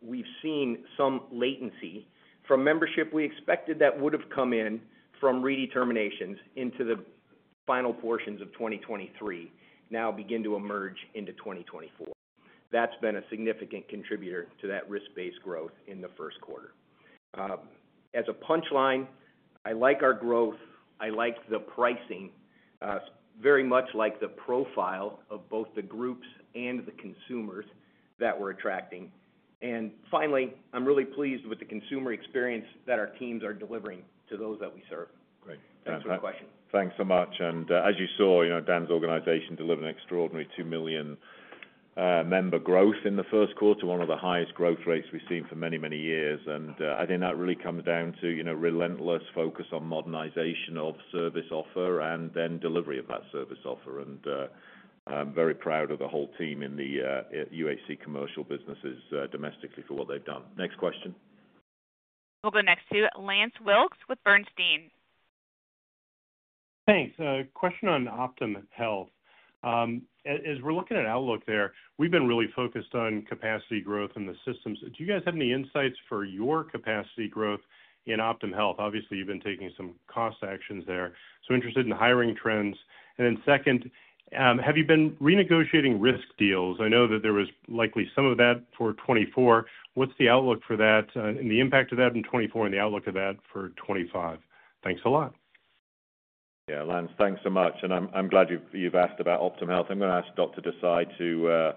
S14: We've seen some latency from membership we expected that would have come in from redeterminations into the final portions of 2023 now begin to emerge into 2024. That's been a significant contributor to that risk-based growth in the first quarter. As a punchline, I like our growth. I like the pricing, very much like the profile of both the groups and the consumers that we're attracting. Finally, I'm really pleased with the consumer experience that our teams are delivering to those that we serve.
S2: Great. Thanks for the question. Thanks so much. As you saw, Dan's organization delivered an extraordinary 2 million member growth in the first quarter, one of the highest growth rates we've seen for many, many years. I think that really comes down to relentless focus on modernization of service offer and then delivery of that service offer. I'm very proud of the whole team in the UHC commercial businesses domestically for what they've done. Next question.
S1: We'll go next to Lance Wilkes with Bernstein.
S15: Thanks. A question on Optum Health. As we're looking at outlook there, we've been really focused on capacity growth in the systems. Do you guys have any insights for your capacity growth in Optum Health? Obviously, you've been taking some cost actions there, so interested in hiring trends. And then second, have you been renegotiating risk deals? I know that there was likely some of that for 2024. What's the outlook for that and the impact of that in 2024 and the outlook of that for 2025? Thanks a lot.
S2: Yeah, Lance, thanks so much. And I'm glad you've asked about Optum Health. I'm going to ask Dr. Desai to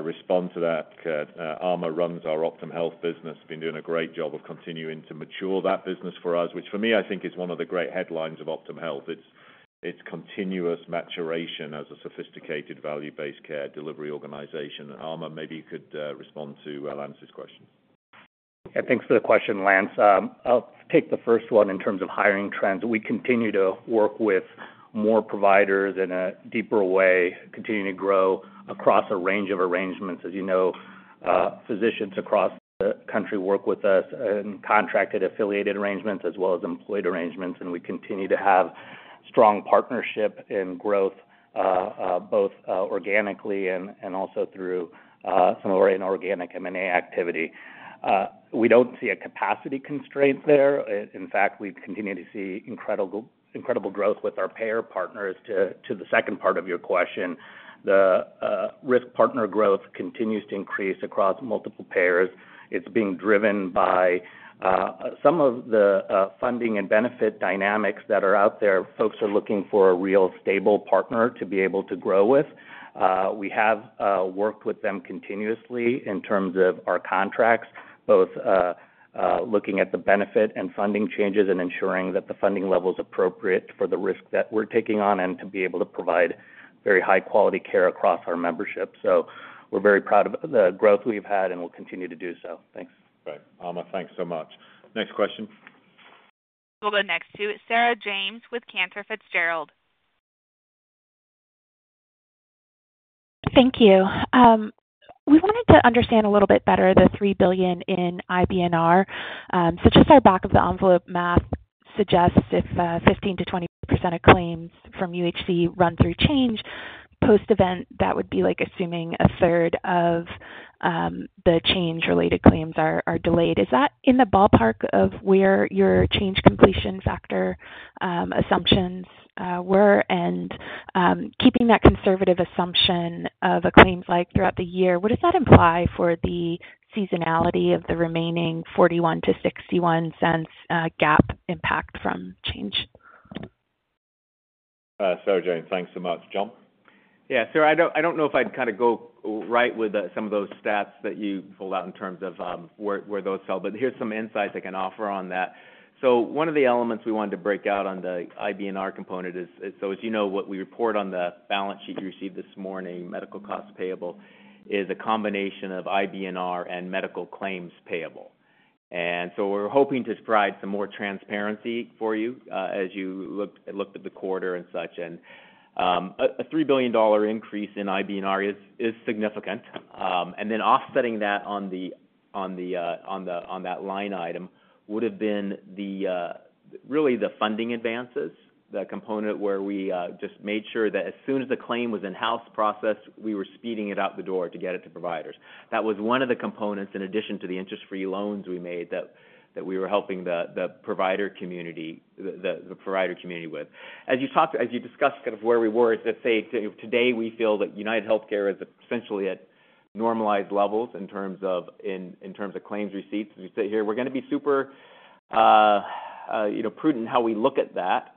S2: respond to that. Amar runs our Optum Health business. Been doing a great job of continuing to mature that business for us, which for me, I think is one of the great headlines of Optum Health. It's continuous maturation as a sophisticated value-based care delivery organization. Amar, maybe you could respond to Lance's question.
S16: Yeah. Thanks for the question, Lance. I'll take the first one in terms of hiring trends. We continue to work with more providers in a deeper way, continuing to grow across a range of arrangements. As you know, physicians across the country work with us in contracted affiliated arrangements as well as employed arrangements. And we continue to have strong partnership and growth both organically and also through some of our inorganic M&A activity. We don't see a capacity constraint there. In fact, we continue to see incredible growth with our payer partners. To the second part of your question, the risk partner growth continues to increase across multiple payers. It's being driven by some of the funding and benefit dynamics that are out there. Folks are looking for a real stable partner to be able to grow with. We have worked with them continuously in terms of our contracts, both looking at the benefit and funding changes and ensuring that the funding level is appropriate for the risk that we're taking on and to be able to provide very high-quality care across our membership. So we're very proud of the growth we've had, and we'll continue to do so. Thanks.
S2: Great. Amar, thanks so much. Next question.
S1: We'll go next to Sarah James with Cantor Fitzgerald.
S17: Thank you. We wanted to understand a little bit better the $3 billion in IBNR. So just our back-of-the-envelope math suggests if 15%-20% of claims from UHC run through change post-event, that would be assuming a third of the change-related claims are delayed. Is that in the ballpark of where your change completion factor assumptions were? And keeping that conservative assumption of claims throughout the year, what does that imply for the seasonality of the remaining $0.41-$0.61 gap impact from change?
S2: Sarah James, thanks so much. John?
S3: Yeah. Sarah, I don't know if I'd kind of go right with some of those stats that you pulled out in terms of where those fell, but here's some insights I can offer on that. So one of the elements we wanted to break out on the IBNR component is so as you know, what we report on the balance sheet you received this morning, medical costs payable, is a combination of IBNR and medical claims payable. And so we're hoping to provide some more transparency for you as you looked at the quarter and such. And a $3 billion increase in IBNR is significant. And then offsetting that on the line item would have been really the funding advances, the component where we just made sure that as soon as the claim was in-house processed, we were speeding it out the door to get it to providers. That was one of the components in addition to the interest-free loans we made that we were helping the provider community with. As you discussed kind of where we were, let's say today, we feel that UnitedHealthcare is essentially at normalized levels in terms of claims receipts. As we sit here, we're going to be super prudent how we look at that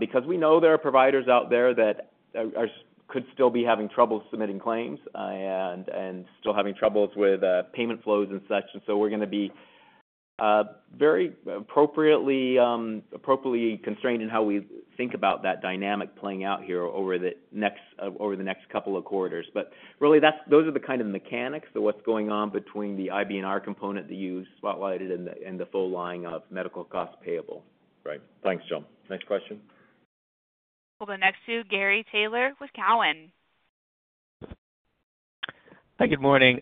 S3: because we know there are providers out there that could still be having trouble submitting claims and still having troubles with payment flows and such. And so we're going to be very appropriately constrained in how we think about that dynamic playing out here over the next couple of quarters. But really, those are the kind of mechanics, so what's going on between the IBNR component that you spotlighted and the full line of medical costs payable.
S2: Right. Thanks, John. Next question.
S1: We'll go next to Gary Taylor with Cowen.
S18: Hi. Good morning.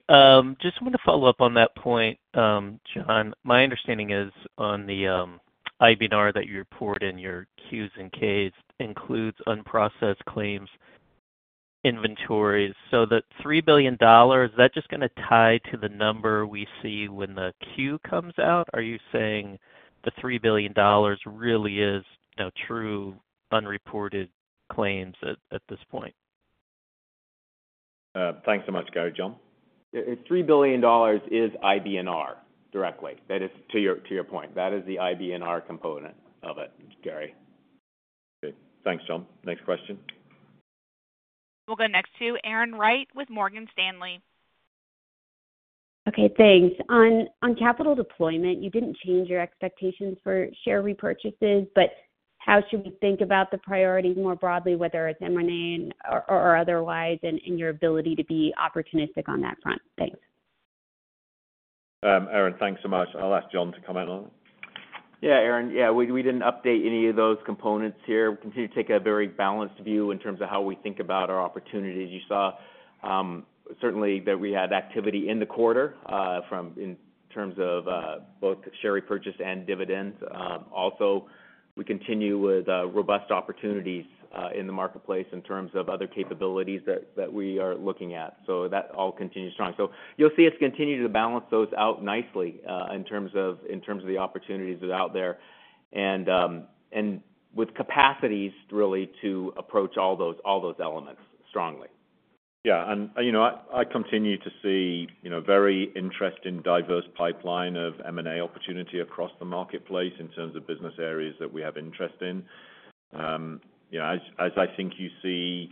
S18: Just wanted to follow up on that point, John. My understanding is on the IBNR that you report in, your Qs and Ks, includes unprocessed claims, inventories. So the $3 billion, is that just going to tie to the number we see when the Q comes out? Are you saying the $3 billion really is true unreported claims at this point?
S2: Thanks so much, Gary, John.
S3: $3 billion is IBNR directly. To your point, that is the IBNR component of it, Gary.
S2: Okay. Thanks, John. Next question.
S1: We'll go next to Erin Wright with Morgan Stanley.
S19: Okay. Thanks. On capital deployment, you didn't change your expectations for share repurchases, but how should we think about the priorities more broadly, whether it's M&A or otherwise, and your ability to be opportunistic on that front? Thanks.
S2: Erin, thanks so much. I'll ask John to comment on that.
S3: Yeah, Erin. Yeah. We didn't update any of those components here. We continue to take a very balanced view in terms of how we think about our opportunities. You saw certainly that we had activity in the quarter in terms of both share repurchase and dividends. Also, we continue with robust opportunities in the marketplace in terms of other capabilities that we are looking at. So that all continues strong. So you'll see us continue to balance those out nicely in terms of the opportunities that are out there and with capacities really to approach all those elements strongly.
S2: Yeah. I continue to see a very interesting, diverse pipeline of M&A opportunity across the marketplace in terms of business areas that we have interest in. As I think you see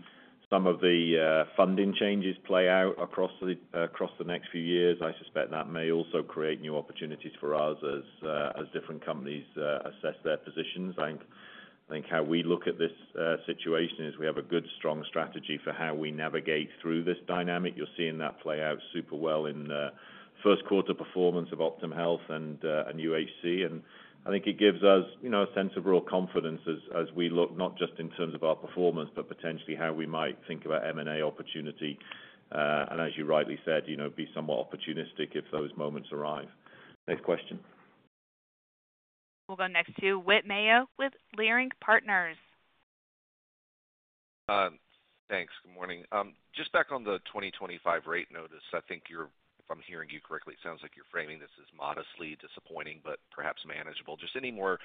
S2: some of the funding changes play out across the next few years, I suspect that may also create new opportunities for us as different companies assess their positions. I think how we look at this situation is we have a good, strong strategy for how we navigate through this dynamic. You're seeing that play out super well in the first quarter performance of Optum Health and UHC. I think it gives us a sense of real confidence as we look, not just in terms of our performance, but potentially how we might think about M&A opportunity. As you rightly said, be somewhat opportunistic if those moments arrive. Next question.
S1: We'll go next to Whit Mayo with Leerink Partners.
S20: Thanks. Good morning. Just back on the 2025 rate notice, I think if I'm hearing you correctly, it sounds like you're framing this as modestly disappointing but perhaps manageable. Just any more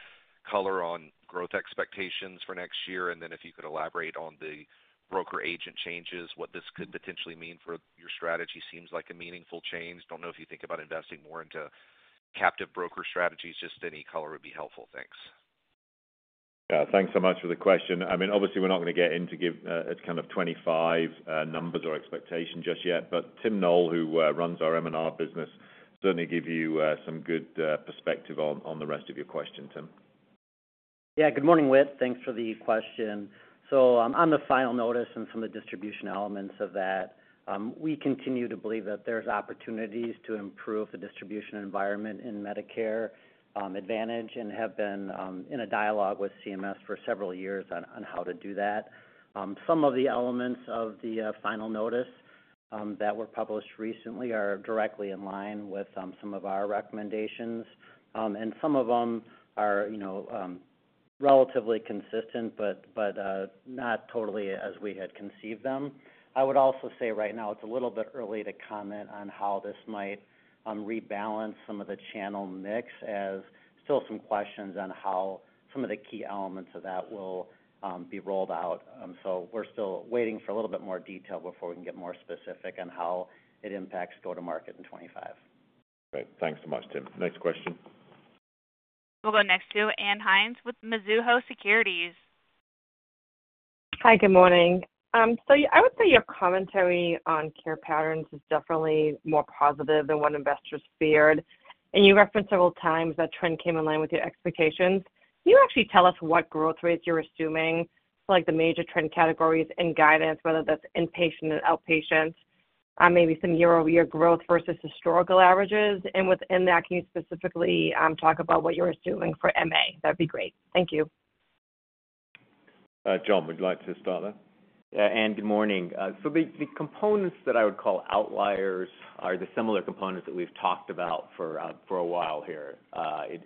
S20: color on growth expectations for next year? And then if you could elaborate on the broker-agent changes, what this could potentially mean for your strategy seems like a meaningful change. Don't know if you think about investing more into captive broker strategies. Just any color would be helpful. Thanks.
S2: Yeah. Thanks so much for the question. I mean, obviously, we're not going to get into kind of 25 numbers or expectations just yet. But Tim Noel, who runs our M&R business, certainly gave you some good perspective on the rest of your question, Tim.
S21: Yeah. Good morning, Whit. Thanks for the question. So on the final notice and some of the distribution elements of that, we continue to believe that there's opportunities to improve the distribution environment in Medicare Advantage and have been in a dialogue with CMS for several years on how to do that. Some of the elements of the final notice that were published recently are directly in line with some of our recommendations. Some of them are relatively consistent but not totally as we had conceived them. I would also say right now, it's a little bit early to comment on how this might rebalance some of the channel mix as still some questions on how some of the key elements of that will be rolled out. We're still waiting for a little bit more detail before we can get more specific on how it impacts go-to-market in 2025.
S2: Great. Thanks so much, Tim. Next question.
S1: We'll go next to Ann Hynes with Mizuho Securities.
S22: Hi. Good morning. I would say your commentary on care patterns is definitely more positive than what investors feared. You referenced several times that trend came in line with your expectations. Can you actually tell us what growth rates you're assuming for the major trend categories in guidance, whether that's inpatient and outpatient, maybe some year-over-year growth versus historical averages? Within that, can you specifically talk about what you're assuming for MA? That'd be great. Thank you.
S2: John, would you like to start there?
S3: Yeah. Ann, good morning. So the components that I would call outliers are the similar components that we've talked about for a while here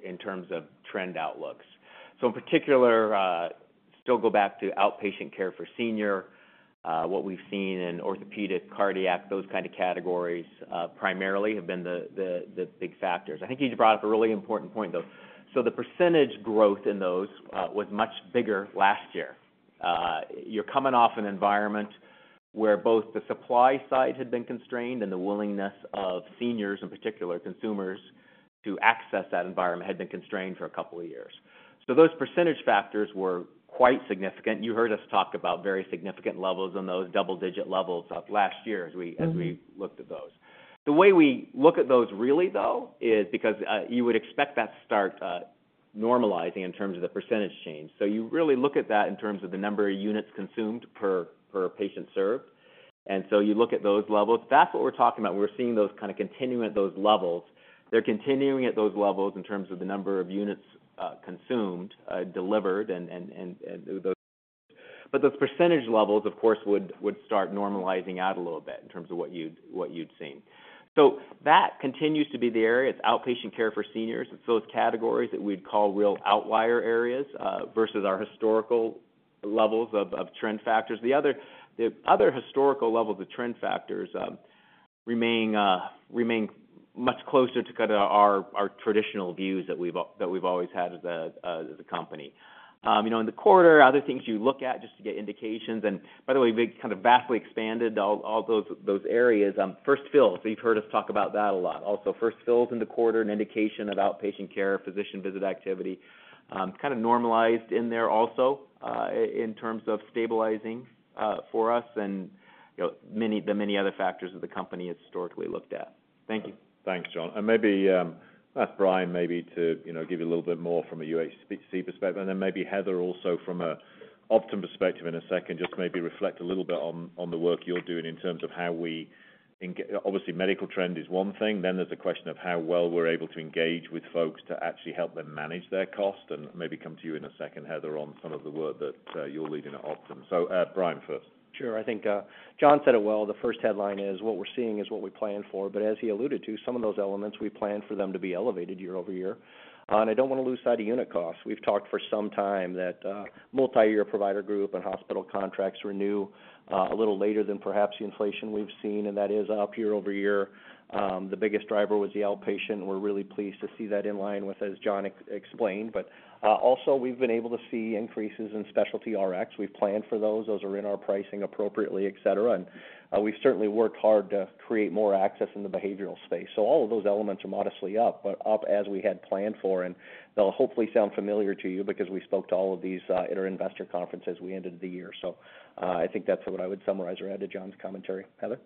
S3: in terms of trend outlooks. So in particular, still go back to outpatient care for seniors, what we've seen in orthopedic, cardiac, those kind of categories primarily have been the big factors. I think you brought up a really important point, though. So the percentage growth in those was much bigger last year. You're coming off an environment where both the supply side had been constrained and the willingness of seniors, in particular consumers, to access that environment had been constrained for a couple of years. So those percentage factors were quite significant. You heard us talk about very significant levels on those double-digit levels last year as we looked at those. The way we look at those really, though, is because you would expect that to start normalizing in terms of the percentage change. So you really look at that in terms of the number of units consumed per patient served. And so you look at those levels. That's what we're talking about. We're seeing those kind of continuing at those levels. They're continuing at those levels in terms of the number of units consumed, delivered, and those but those percentage levels, of course, would start normalizing out a little bit in terms of what you'd seen. So that continues to be the area. It's outpatient care for seniors. It's those categories that we'd call real outlier areas versus our historical levels of trend factors. The other historical levels of trend factors remain much closer to kind of our traditional views that we've always had as a company. In the quarter, other things you look at just to get indications and by the way, we've kind of vastly expanded all those areas. First Fills. So you've heard us talk about that a lot. Also, First Fills in the quarter, an indication of outpatient care, physician visit activity, kind of normalized in there also in terms of stabilizing for us and the many other factors that the company has historically looked at. Thank you.
S2: Thanks, John. Maybe ask Brian maybe to give you a little bit more from a UHC perspective. Then maybe Heather also from an Optum perspective in a second, just maybe reflect a little bit on the work you're doing in terms of how we obviously, medical trend is one thing. Then there's a question of how well we're able to engage with folks to actually help them manage their cost. And maybe come to you in a second, Heather, on some of the work that you're leading at Optum. So Brian first.
S6: Sure. I think John said it well. The first headline is, "What we're seeing is what we plan for." But as he alluded to, some of those elements, we plan for them to be elevated year-over-year. And I don't want to lose sight of unit costs. We've talked for some time that multi-year provider group and hospital contracts renew a little later than perhaps the inflation we've seen, and that is up year-over-year. The biggest driver was the outpatient. We're really pleased to see that in line with, as John explained. But also, we've been able to see increases in specialty Rx. We've planned for those. Those are in our pricing appropriately, etc. And we've certainly worked hard to create more access in the behavioral space. So all of those elements are modestly up, but up as we had planned for. They'll hopefully sound familiar to you because we spoke to all of these at our investor conferences we ended the year. So I think that's what I would summarize around to John's commentary. Heather?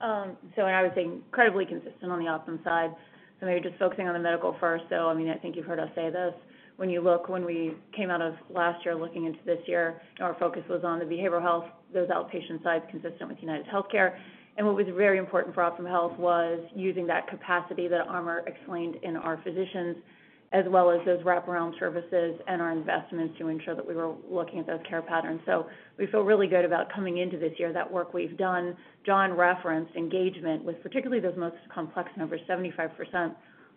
S23: So I would say incredibly consistent on the Optum side. So maybe just focusing on the medical first. So I mean, I think you've heard us say this. When you look, when we came out of last year looking into this year, our focus was on the behavioral health, those outpatient sides consistent with UnitedHealthcare. And what was very important for Optum Health was using that capacity that Amar explained in our physicians as well as those wraparound services and our investments to ensure that we were looking at those care patterns. So we feel really good about coming into this year, that work we've done. John referenced engagement with particularly those most complex numbers, 75%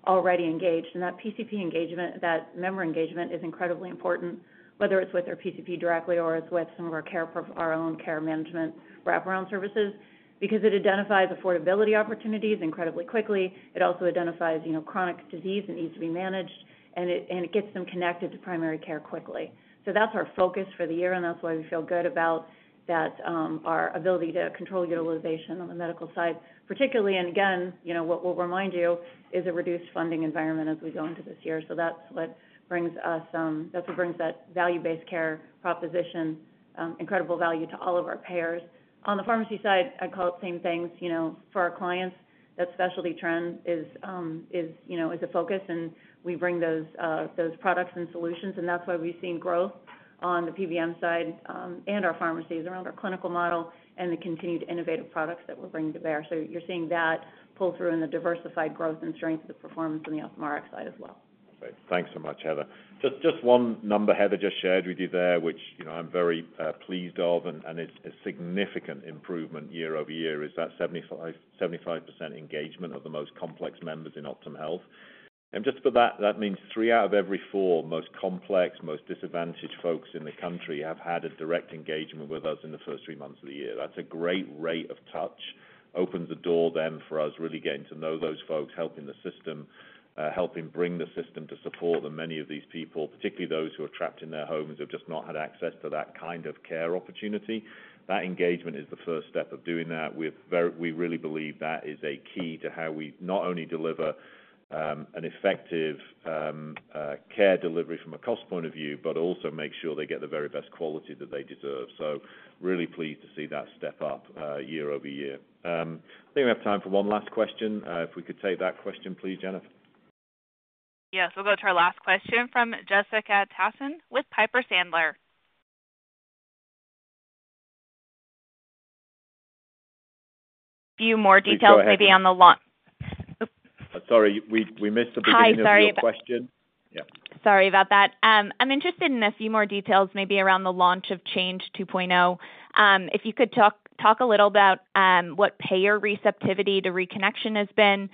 S23: already engaged. That PCP engagement, that member engagement, is incredibly important, whether it's with our PCP directly or it's with some of our own care management wraparound services because it identifies affordability opportunities incredibly quickly. It also identifies chronic disease that needs to be managed, and it gets them connected to primary care quickly. So that's our focus for the year, and that's why we feel good about our ability to control utilization on the medical side, particularly. And again, what we'll remind you is a reduced funding environment as we go into this year. So that's what brings that value-based care proposition, incredible value to all of our payers. On the pharmacy side, I'd call it same things. For our clients, that specialty trend is a focus, and we bring those products and solutions. That's why we've seen growth on the PBM side and our pharmacies around our clinical model and the continued innovative products that we're bringing to bear. You're seeing that pull through in the diversified growth and strength of the performance on the Optum Rx side as well.
S2: Great. Thanks so much, Heather. Just one number Heather just shared with you there, which I'm very pleased of, and it's a significant improvement year-over-year, is that 75% engagement of the most complex members in Optum Health. And just for that, that means three out of every four most complex, most disadvantaged folks in the country have had a direct engagement with us in the first three months of the year. That's a great rate of touch, opens the door then for us really getting to know those folks, helping the system, helping bring the system to support many of these people, particularly those who are trapped in their homes who have just not had access to that kind of care opportunity. That engagement is the first step of doing that. We really believe that is a key to how we not only deliver an effective care delivery from a cost point of view but also make sure they get the very best quality that they deserve. So really pleased to see that step up year over year. I think we have time for one last question. If we could take that question, please, Jennifer.
S1: Yes. We'll go to our last question from Jessica Tassan with Piper Sandler.
S24: Few more details maybe on the launch.
S2: Sorry. We missed the beginning of your question.
S24: Hi. Sorry about that.
S2: Yeah.
S24: Sorry about that. I'm interested in a few more details maybe around the launch of Change 2.0. If you could talk a little about what payer receptivity to reconnection has been,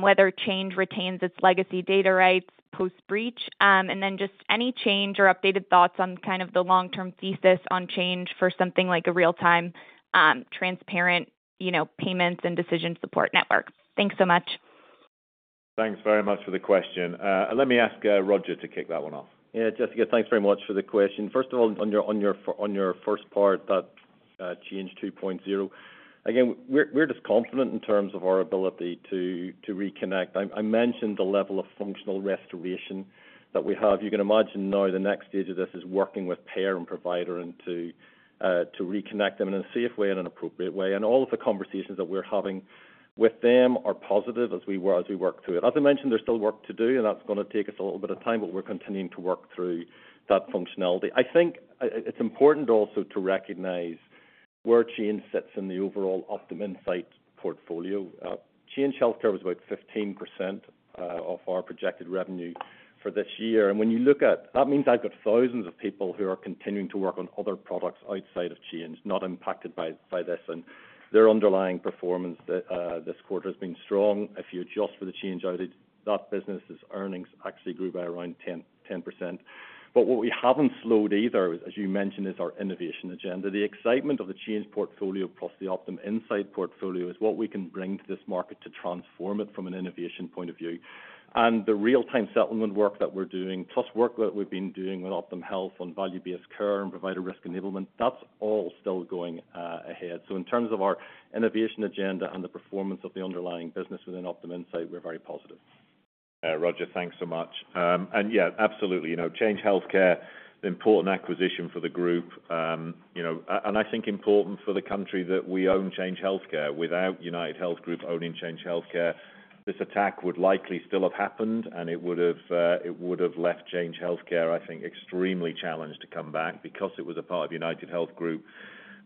S24: whether Change retains its legacy data rights post-breach, and then just any change or updated thoughts on kind of the long-term thesis on Change for something like a real-time, transparent payments and decision support network. Thanks so much.
S2: Thanks very much for the question. Let me ask Roger to kick that one off.
S10: Yeah. Jessica, thanks very much for the question. First of all, on your first part, that Change 2.0, again, we're just confident in terms of our ability to reconnect. I mentioned the level of functional restoration that we have. You can imagine now the next stage of this is working with payer and provider and to reconnect them in a safe way and an appropriate way. And all of the conversations that we're having with them are positive as we work through it. As I mentioned, there's still work to do, and that's going to take us a little bit of time, but we're continuing to work through that functionality. I think it's important also to recognize where Change sits in the overall Optum Insight portfolio. Change Healthcare was about 15% of our projected revenue for this year. And when you look at that means I've got thousands of people who are continuing to work on other products outside of Change not impacted by this, and their underlying performance this quarter has been strong. If you adjust for the Change outreach, that business's earnings actually grew by around 10%. But what we haven't slowed either, as you mentioned, is our innovation agenda. The excitement of the Change portfolio plus the Optum Insight portfolio is what we can bring to this market to transform it from an innovation point of view. And the real-time settlement work that we're doing plus work that we've been doing with Optum Health on value-based care and provider risk enablement, that's all still going ahead. So in terms of our innovation agenda and the performance of the underlying business within Optum Insight, we're very positive.
S2: Roger, thanks so much. And yeah, absolutely. Change Healthcare, the important acquisition for the group, and I think important for the country that we own Change Healthcare. Without UnitedHealth Group owning Change Healthcare, this attack would likely still have happened, and it would have left Change Healthcare, I think, extremely challenged to come back because it was a part of UnitedHealth Group.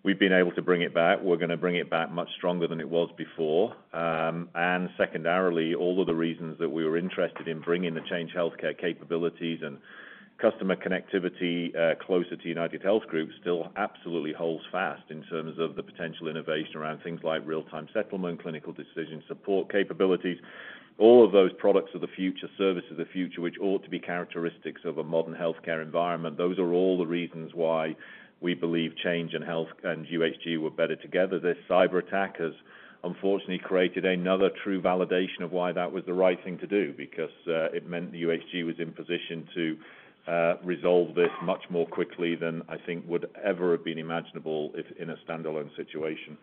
S2: We've been able to bring it back. We're going to bring it back much stronger than it was before. And secondarily, all of the reasons that we were interested in bringing the Change Healthcare capabilities and customer connectivity closer to UnitedHealth Group still absolutely holds fast in terms of the potential innovation around things like real-time settlement, clinical decision support capabilities. All of those products of the future, services of the future, which ought to be characteristics of a modern healthcare environment, those are all the reasons why we believe Change and UHG were better together. This cyberattack has, unfortunately, created another true validation of why that was the right thing to do because it meant the UHG was in position to resolve this much more quickly than I think would ever have been imaginable in a standalone situation.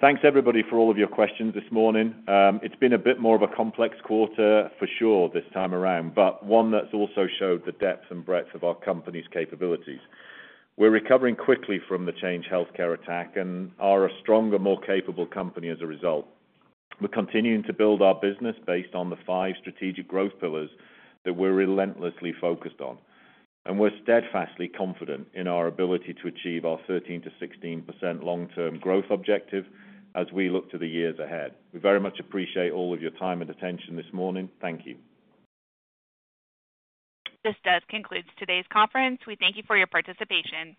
S2: Thanks, everybody, for all of your questions this morning. It's been a bit more of a complex quarter for sure this time around, but one that's also showed the depth and breadth of our company's capabilities. We're recovering quickly from the Change Healthcare attack and are a stronger, more capable company as a result. We're continuing to build our business based on the five strategic growth pillars that we're relentlessly focused on. We're steadfastly confident in our ability to achieve our 13%-16% long-term growth objective as we look to the years ahead. We very much appreciate all of your time and attention this morning. Thank you.
S1: This does conclude today's conference. We thank you for your participation.